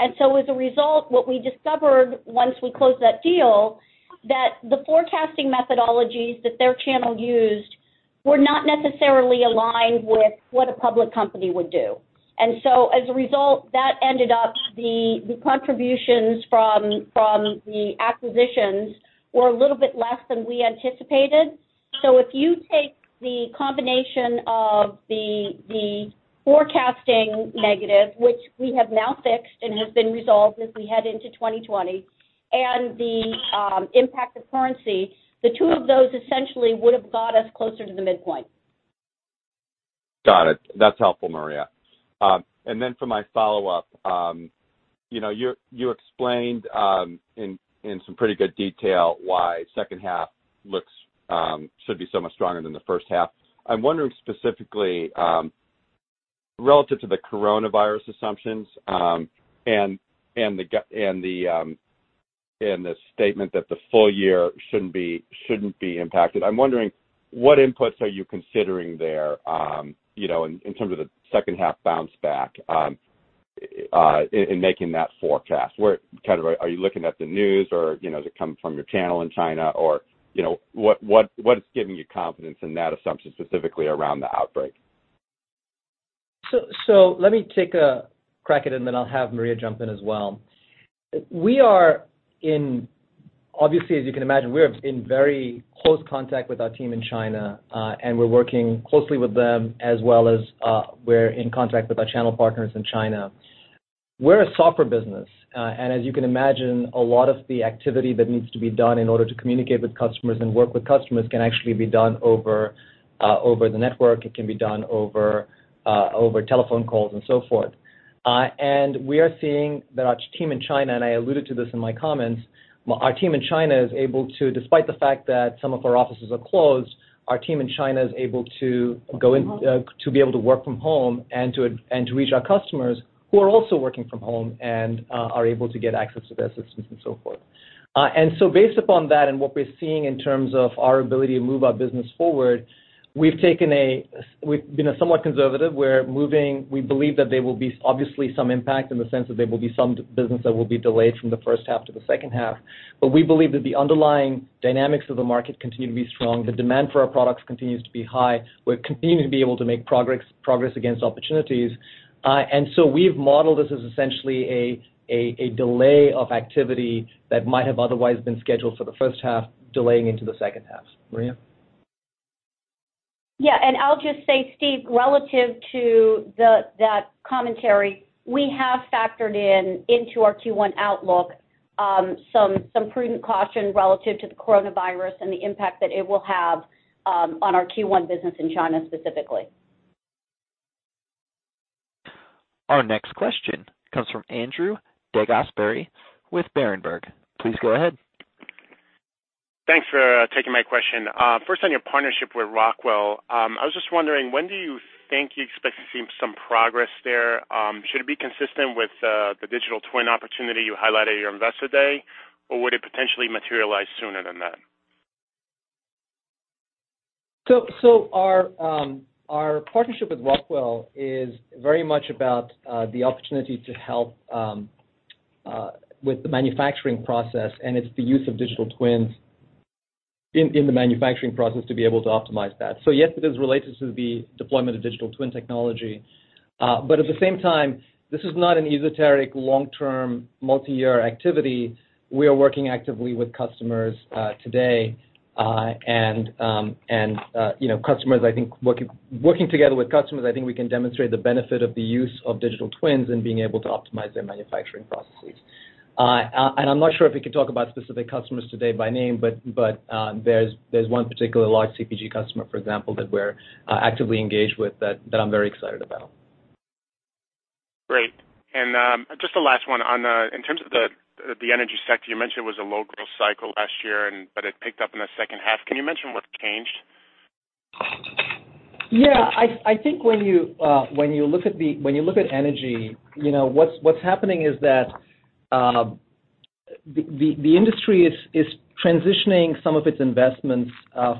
As a result, what we discovered once we closed that deal, that the forecasting methodologies that their channel used were not necessarily aligned with what a public company would do. As a result, that ended up the contributions from the acquisitions were a little bit less than we anticipated. If you take the combination of the forecasting negative, which we have now fixed and has been resolved as we head into 2020, and the impact of currency, the two of those essentially would've got us closer to the midpoint. Got it. That's helpful, Maria. For my follow-up, you explained in some pretty good detail why second half should be so much stronger than the first half. I'm wondering specifically, relative to the coronavirus assumptions, and the statement that the full year shouldn't be impacted. I'm wondering what inputs are you considering there, in terms of the second half bounce back, in making that forecast? Are you looking at the news or does it come from your channel in China? What's giving you confidence in that assumption, specifically around the outbreak? Let me take a crack at it and then I'll have Maria jump in as well. Obviously, as you can imagine, we are in very close contact with our team in China, and we're working closely with them, as well as we're in contact with our channel partners in China. We're a software business. As you can imagine, a lot of the activity that needs to be done in order to communicate with customers and work with customers can actually be done over the network, it can be done over telephone calls and so forth. We are seeing that our team in China, and I alluded to this in my comments, our team in China is able to, despite the fact that some of our offices are closed, our team in China is able to be able to work from home and to reach our customers who are also working from home and are able to get access to their systems and so forth. Based upon that and what we're seeing in terms of our ability to move our business forward, we've been somewhat conservative. We believe that there will be obviously some impact in the sense that there will be some business that will be delayed from the first half to the second half. We believe that the underlying dynamics of the market continue to be strong. The demand for our products continues to be high. We're continuing to be able to make progress against opportunities. We've modeled this as essentially a delay of activity that might have otherwise been scheduled for the first half, delaying into the second half. Maria? Yeah. I'll just say, Steve, relative to that commentary, we have factored in into our Q1 outlook, some prudent caution relative to the coronavirus and the impact that it will have on our Q1 business in China specifically. Our next question comes from Andrew DeGasperi with Berenberg. Please go ahead. Thanks for taking my question. First on your partnership with Rockwell. I was just wondering, when do you think you expect to see some progress there? Should it be consistent with the digital twin opportunity you highlighted at your Investor Day, or would it potentially materialize sooner than that? Our partnership with Rockwell is very much about the opportunity to help with the manufacturing process, and it's the use of digital twins in the manufacturing process to be able to optimize that. At the same time, this is not an esoteric long-term, multi-year activity. We are working actively with customers today. Working together with customers, I think we can demonstrate the benefit of the use of digital twins in being able to optimize their manufacturing processes. I'm not sure if we can talk about specific customers today by name, but there's one particular large CPG customer, for example, that we're actively engaged with that I'm very excited about. Great. Just the last one. In terms of the energy sector, you mentioned it was a low growth cycle last year, but it picked up in the second half. Can you mention what changed? Yeah. I think when you look at energy, what's happening is that the industry is transitioning some of its investments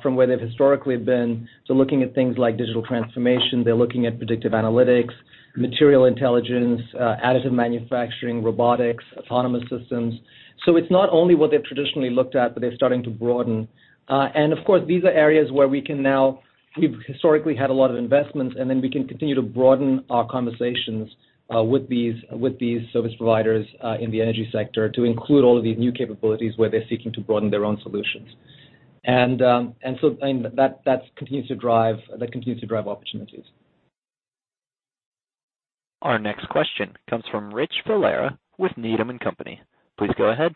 from where they've historically been to looking at things like digital transformation. They're looking at predictive analytics, material intelligence, additive manufacturing, robotics, autonomous systems. It's not only what they've traditionally looked at, but they're starting to broaden. Of course, these are areas where we've historically had a lot of investments, we can continue to broaden our conversations with these service providers in the energy sector to include all of these new capabilities where they're seeking to broaden their own solutions. That continues to drive opportunities. Our next question comes from Rich Valera with Needham & Company. Please go ahead.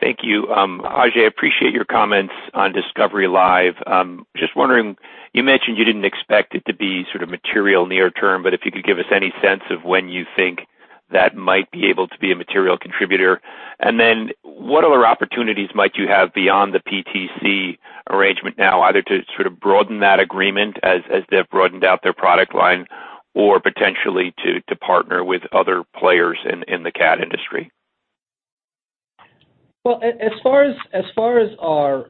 Thank you. Ajei, appreciate your comments on Ansys Discovery Live. Just wondering, you mentioned you didn't expect it to be sort of material near term, but if you could give us any sense of when you think that might be able to be a material contributor. What other opportunities might you have beyond the PTC arrangement now, either to sort of broaden that agreement as they've broadened out their product line or potentially to partner with other players in the CAD industry? Well, as far as our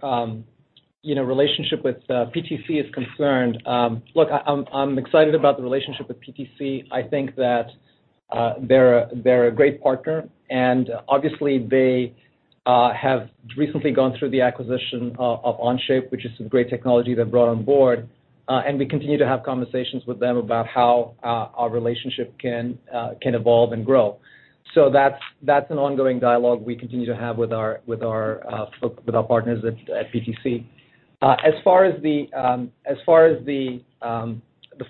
relationship with PTC is concerned, look, I'm excited about the relationship with PTC. I think that they're a great partner, and obviously they have recently gone through the acquisition of Onshape, which is a great technology they've brought on board. We continue to have conversations with them about how our relationship can evolve and grow. That's an ongoing dialogue we continue to have with our partners at PTC. As far as the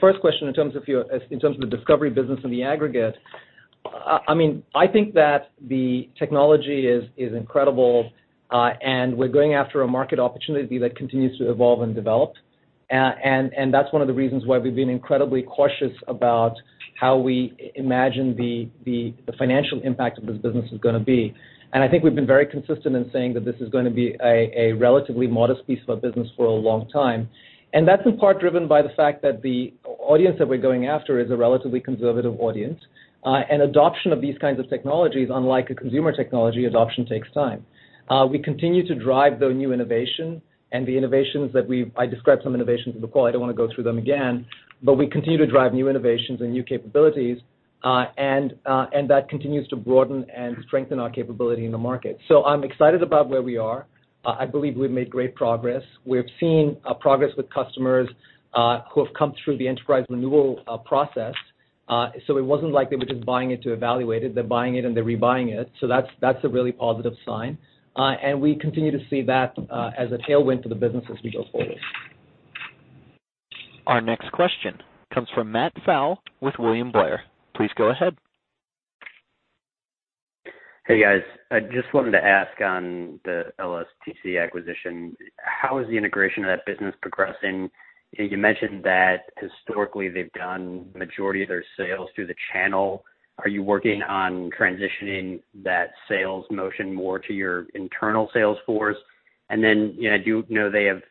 first question in terms of the Discovery business in the aggregate, I think that the technology is incredible, and we're going after a market opportunity that continues to evolve and develop. That's one of the reasons why we've been incredibly cautious about how we imagine the financial impact of this business is going to be. I think we've been very consistent in saying that this is going to be a relatively modest piece of our business for a long time. That's in part driven by the fact that the audience that we're going after is a relatively conservative audience, and adoption of these kinds of technologies, unlike a consumer technology, adoption takes time. We continue to drive, though, new innovation and the innovations that we've— I described some innovations in the call, I don't want to go through them again. We continue to drive new innovations and new capabilities, and that continues to broaden and strengthen our capability in the market. I'm excited about where we are. I believe we've made great progress. We've seen progress with customers who have come through the enterprise renewal process. It wasn't like they were just buying it to evaluate it. They're buying it, and they're rebuying it. That's a really positive sign. We continue to see that as a tailwind for the business as we go forward. Our next question comes from Matt Pfau with William Blair. Please go ahead. Hey, guys. I just wanted to ask on the LSTC acquisition, how is the integration of that business progressing? You mentioned that historically they've done majority of their sales through the channel. Are you working on transitioning that sales motion more to your internal sales force? I do know they have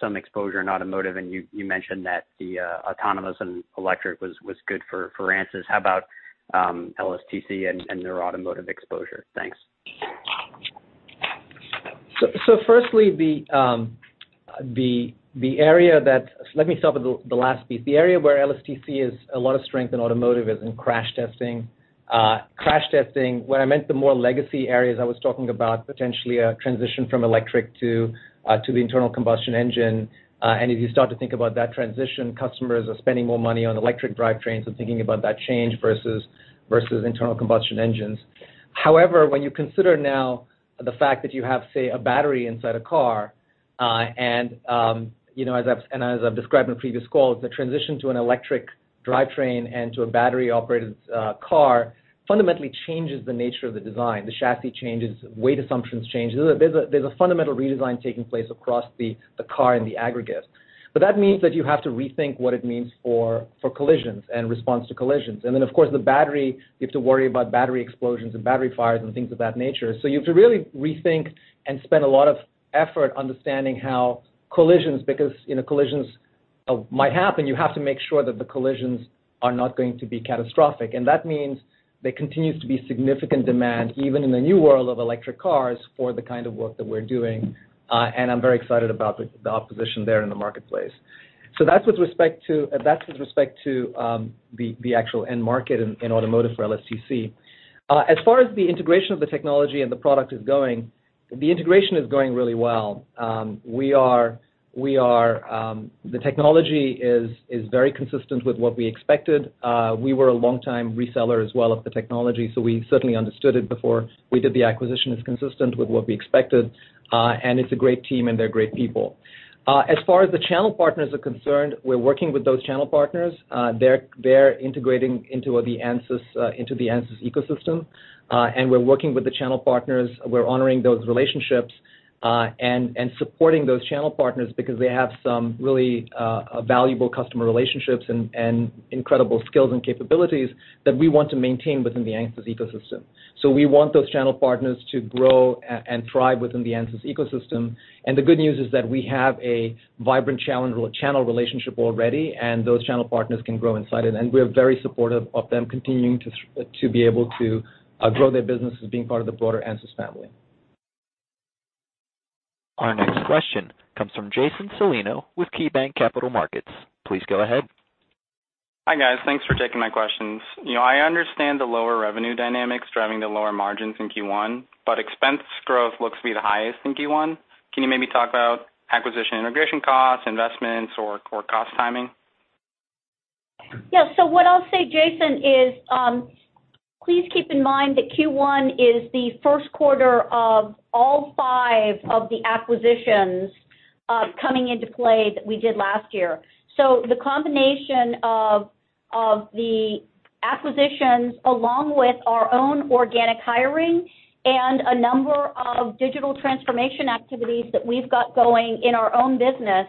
some exposure in automotive, and you mentioned that the autonomous and electric was good for ANSYS. How about LSTC and their automotive exposure? Thanks. Firstly, let me start with the last piece. The area where LSTC has a lot of strength in automotive is in crash testing. Crash testing, when I meant the more legacy areas, I was talking about potentially a transition from electric to the internal combustion engine. If you start to think about that transition, customers are spending more money on electric drivetrains and thinking about that change versus internal combustion engines. However, when you consider now the fact that you have, say, a battery inside a car, and as I've described in the previous calls, the transition to an electric drivetrain and to a battery-operated car fundamentally changes the nature of the design. The chassis changes, weight assumptions change. There's a fundamental redesign taking place across the car in the aggregate. That means that you have to rethink what it means for collisions and response to collisions. Of course, the battery, you have to worry about battery explosions and battery fires and things of that nature. You have to really rethink and spend a lot of effort understanding how collisions, because collisions might happen, you have to make sure that the collisions are not going to be catastrophic. That means there continues to be significant demand, even in the new world of electric cars, for the kind of work that we're doing. I'm very excited about the opportunity there in the marketplace. That's with respect to the actual end market in automotive for LSTC. As far as the integration of the technology and the product is going, the integration is going really well. The technology is very consistent with what we expected. We were a long-time reseller as well of the technology, so we certainly understood it before we did the acquisition. It's consistent with what we expected, it's a great team, they're great people. As far as the channel partners are concerned, we're working with those channel partners. They're integrating into the ANSYS ecosystem. We're working with the channel partners. We're honoring those relationships, supporting those channel partners because they have some really valuable customer relationships and incredible skills and capabilities that we want to maintain within the ANSYS ecosystem. We want those channel partners to grow and thrive within the ANSYS ecosystem. The good news is that we have a vibrant channel relationship already, those channel partners can grow inside it. We are very supportive of them continuing to be able to grow their businesses being part of the broader ANSYS family. Our next question comes from Jason Celino with KeyBanc Capital Markets. Please go ahead. Hi, guys. Thanks for taking my questions. I understand the lower revenue dynamics driving the lower margins in Q1. Expense growth looks to be the highest in Q1. Can you maybe talk about acquisition integration costs, investments, or cost timing? Yeah. What I'll say, Jason, is, please keep in mind that Q1 is the first quarter of all five of the acquisitions coming into play that we did last year. The combination of the acquisitions, along with our own organic hiring and a number of digital transformation activities that we've got going in our own business,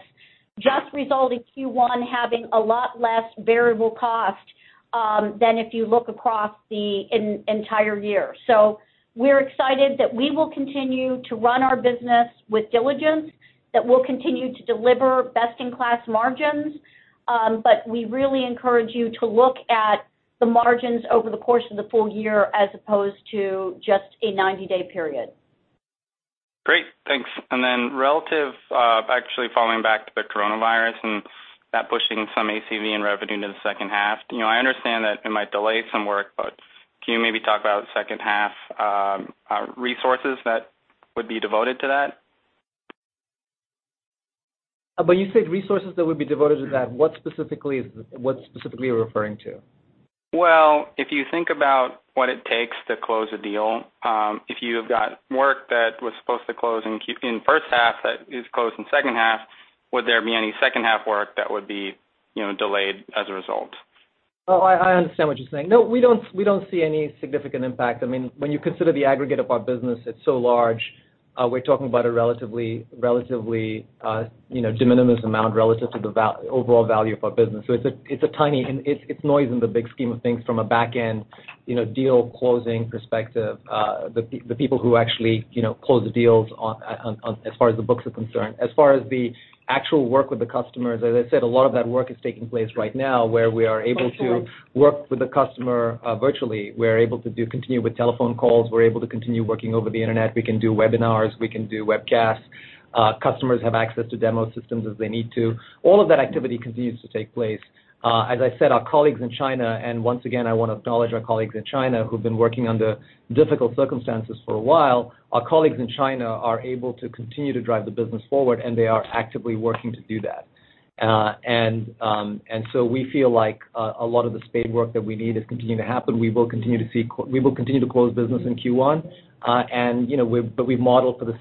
just result in Q1 having a lot less variable cost than if you look across the entire year. We're excited that we will continue to run our business with diligence, that we'll continue to deliver best-in-class margins. We really encourage you to look at the margins over the course of the full year as opposed to just a 90-day period. Great. Thanks. Relative, actually following back to the coronavirus and that pushing some ACV and revenue into the second half, I understand that it might delay some work, but can you maybe talk about second half resources that would be devoted to that? When you said resources that would be devoted to that, what specifically are you referring to? Well, if you think about what it takes to close a deal, if you have got work that was supposed to close in first half that is closed in second half, would there be any second half work that would be delayed as a result? Oh, I understand what you're saying. No, we don't see any significant impact. When you consider the aggregate of our business, it's so large. We're talking about a relatively de minimis amount relative to the overall value of our business. It's noise in the big scheme of things from a back-end deal-closing perspective, the people who actually close the deals as far as the books are concerned. As far as the actual work with the customers, as I said, a lot of that work is taking place right now, where we are able to work with the customer virtually. We're able to continue with telephone calls. We're able to continue working over the internet. We can do webinars. We can do webcasts. Customers have access to demo systems if they need to. All of that activity continues to take place. As I said, our colleagues in China, and once again, I want to acknowledge our colleagues in China who've been working under difficult circumstances for a while. Our colleagues in China are able to continue to drive the business forward, and they are actively working to do that. We feel like a lot of the spadework that we need is continuing to happen. We will continue to close business in Q1, but we've modeled for the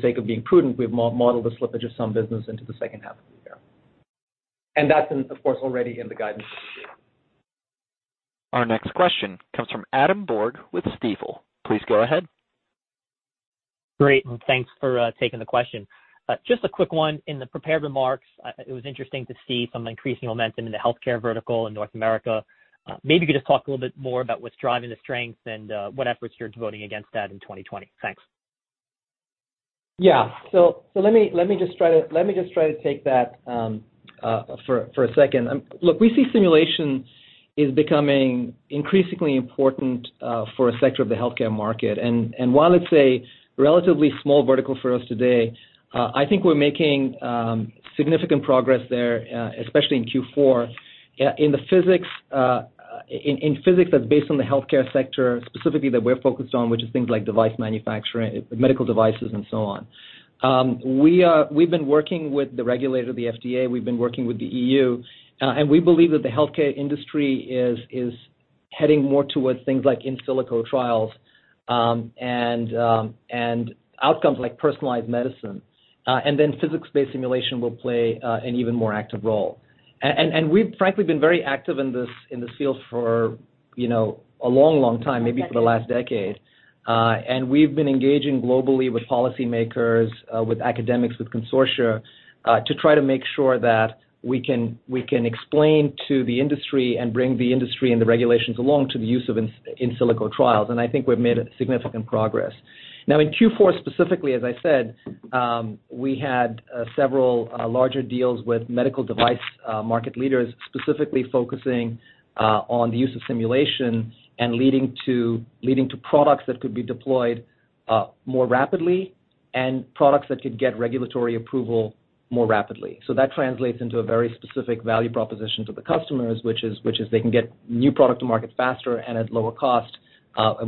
sake of being prudent, we've modeled the slippage of some business into the second half of the year. That's of course, already in the guidance this year. Our next question comes from Adam Borg with Stifel. Please go ahead. Great. Thanks for taking the question. Just a quick one. In the prepared remarks, it was interesting to see some increasing momentum in the healthcare vertical in North America. Maybe you could just talk a little bit more about what's driving the strength and what efforts you're devoting against that in 2020. Thanks. Yeah. Let me just try to take that for a second. Look, we see simulation is becoming increasingly important for a sector of the healthcare market. While it's a relatively small vertical for us today, I think we're making significant progress there, especially in Q4. In physics that's based on the healthcare sector, specifically that we're focused on, which is things like device manufacturing, medical devices and so on. We've been working with the regulator, the FDA, we've been working with the EU, and we believe that the healthcare industry is heading more towards things like in silico trials, and outcomes like personalized medicine. Physics-based simulation will play an even more active role. We've frankly been very active in this field for a long time, maybe for the last decade. We've been engaging globally with policymakers, with academics, with consortia, to try to make sure that we can explain to the industry and bring the industry and the regulations along to the use of in silico trials. I think we've made significant progress. Now in Q4 specifically, as I said, we had several larger deals with medical device market leaders, specifically focusing on the use of simulation and leading to products that could be deployed more rapidly and products that could get regulatory approval more rapidly. That translates into a very specific value proposition to the customers, which is they can get new product to market faster and at lower cost,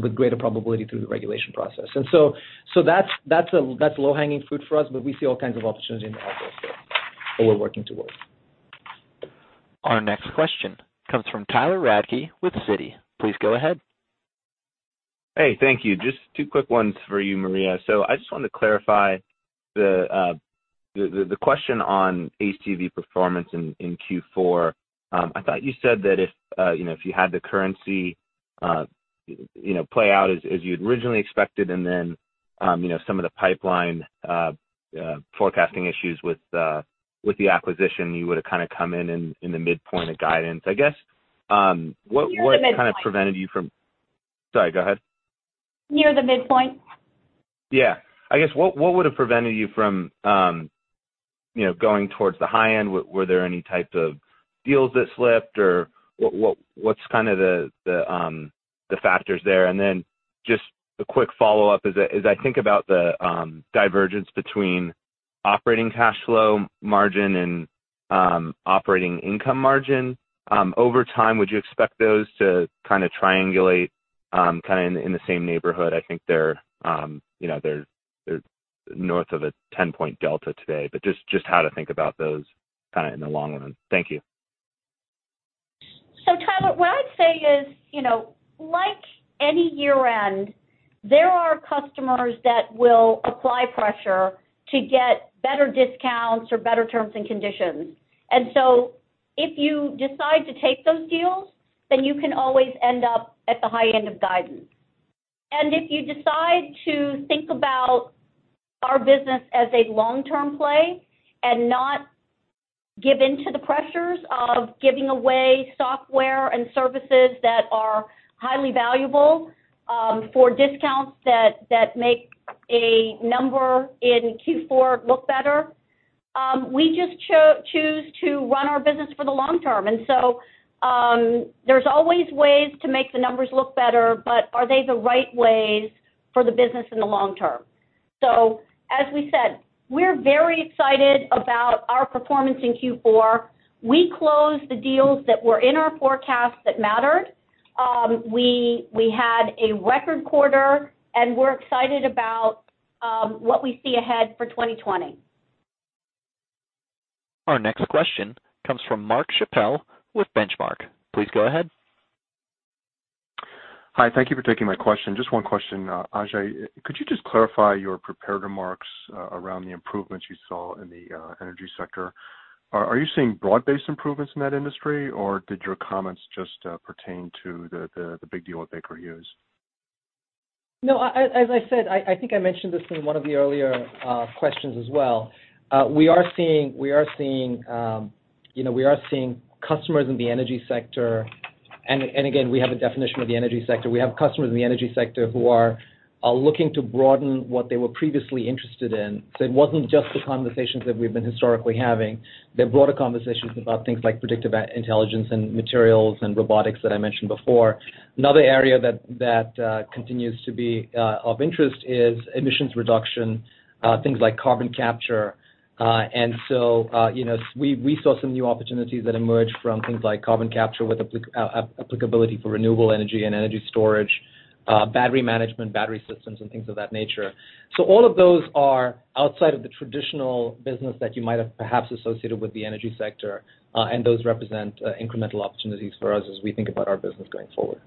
with greater probability through the regulation process. That's low-hanging fruit for us, but we see all kinds of opportunities in the outdoor space that we're working towards. Our next question comes from Tyler Radke with Citi. Please go ahead. Hey, thank you. Just two quick ones for you, Maria. I just wanted to clarify the question on ACV performance in Q4. I thought you said that if you had the currency play out as you'd originally expected, and then some of the pipeline forecasting issues with the acquisition, you would've come in in the midpoint of guidance. Near the midpoint. Sorry, go ahead. Near the midpoint. Yeah. I guess what would've prevented you from going towards the high end? Were there any type of deals that slipped, or what's kind of the factors there? Just a quick follow-up is, as I think about the divergence between operating cash flow margin and operating income margin. Over time, would you expect those to kind of triangulate in the same neighborhood? I think they're north of a 10-point delta today, but just how to think about those in the long run. Thank you. So Tyler, what I'd say is, like any year-end, there are customers that will apply pressure to get better discounts or better terms and conditions. If you decide to take those deals, then you can always end up at the high end of guidance. If you decide to think about our business as a long-term play and not give in to the pressures of giving away software and services that are highly valuable for discounts that make a number in Q4 look better. We just choose to run our business for the long term. There's always ways to make the numbers look better, but are they the right ways for the business in the long term? As we said, we're very excited about our performance in Q4. We closed the deals that were in our forecast that mattered. We had a record quarter, and we're excited about what we see ahead for 2020. Our next question comes from Mark Schappel with Benchmark. Please go ahead. Hi. Thank you for taking my question. Just one question. Ajei, could you just clarify your prepared remarks around the improvements you saw in the energy sector? Are you seeing broad-based improvements in that industry, or did your comments just pertain to the big deal with Baker Hughes? No, as I said, I think I mentioned this in one of the earlier questions as well. We are seeing customers in the energy sector. Again, we have a definition of the energy sector. We have customers in the energy sector who are looking to broaden what they were previously interested in. It wasn't just the conversations that we've been historically having. They're broader conversations about things like predictive intelligence and materials and robotics that I mentioned before. Another area that continues to be of interest is emissions reduction, things like carbon capture. We saw some new opportunities that emerged from things like carbon capture with applicability for renewable energy and energy storage, battery management, battery systems, and things of that nature. All of those are outside of the traditional business that you might have perhaps associated with the energy sector. Those represent incremental opportunities for us as we think about our business going forward.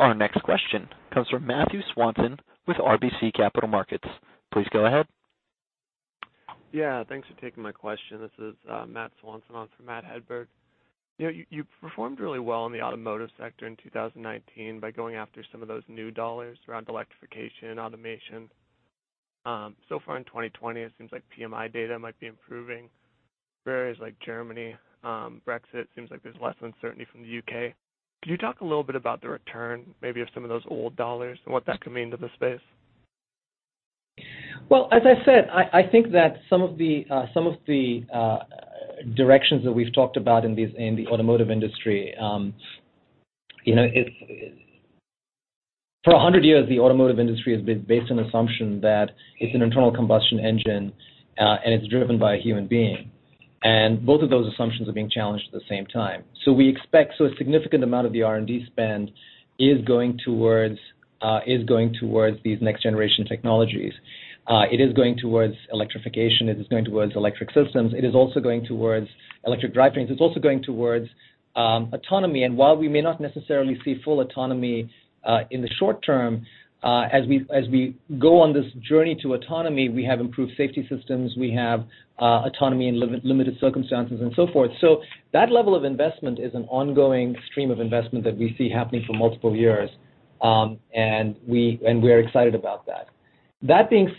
Our next question comes from Matthew Swanson with RBC Capital Markets. Please go ahead. Yeah, thanks for taking my question. This is Matt Swanson. I'm for Matt Hedberg. You performed really well in the automotive sector in 2019 by going after some of those new dollars around electrification, automation. Far in 2020, it seems like PMI data might be improving. Areas like Germany, Brexit, seems like there's less uncertainty from the U.K.,. Could you talk a little bit about the return maybe of some of those old dollars and what that could mean to the space? Well, as I said, I think that some of the directions that we've talked about in the automotive industry, for 100 years, the automotive industry has been based on assumption that it's an internal combustion engine, and it's driven by a human being. Both of those assumptions are being challenged at the same time. A significant amount of the R&D spend is going towards these next-generation technologies. It is going towards electrification, it is going towards electric systems. It is also going towards electric drivetrains. It's also going towards autonomy, while we may not necessarily see full autonomy in the short term, as we go on this journey to autonomy, we have improved safety systems. We have autonomy in limited circumstances and so forth. That level of investment is an ongoing stream of investment that we see happening for multiple years. We are excited about that. That being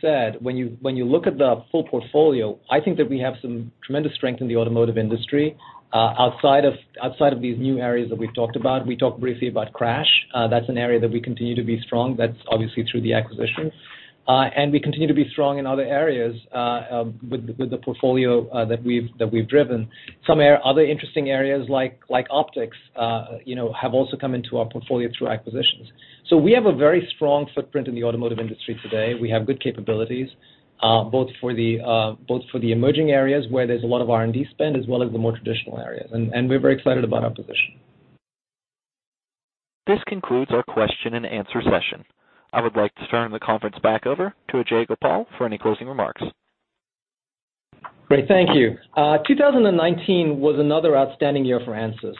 said, when you look at the full portfolio, I think that we have some tremendous strength in the automotive industry. Outside of these new areas that we've talked about, we talked briefly about crash. That's an area that we continue to be strong. That's obviously through the acquisitions. We continue to be strong in other areas, with the portfolio that we've driven. Some other interesting areas like optics, have also come into our portfolio through acquisitions. We have a very strong footprint in the automotive industry today. We have good capabilities, both for the emerging areas where there's a lot of R&D spend, as well as the more traditional areas. We're very excited about our position. This concludes our question and answer session. I would like to turn the conference back over to Ajei Gopal for any closing remarks. Great. Thank you. 2019 was another outstanding year for ANSYS.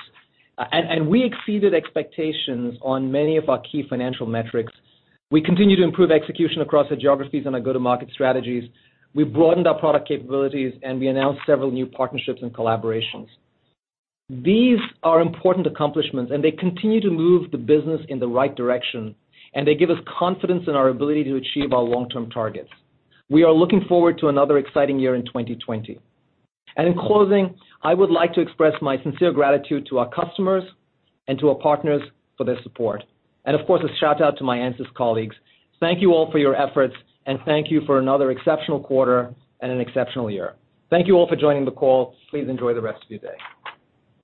We exceeded expectations on many of our key financial metrics. We continue to improve execution across the geographies and our go-to-market strategies. We've broadened our product capabilities, and we announced several new partnerships and collaborations. These are important accomplishments, and they continue to move the business in the right direction, and they give us confidence in our ability to achieve our long-term targets. We are looking forward to another exciting year in 2020. In closing, I would like to express my sincere gratitude to our customers and to our partners for their support. Of course, a shout-out to my ANSYS colleagues. Thank you all for your efforts, and thank you for another exceptional quarter and an exceptional year. Thank you all for joining the call. Please enjoy the rest of your day.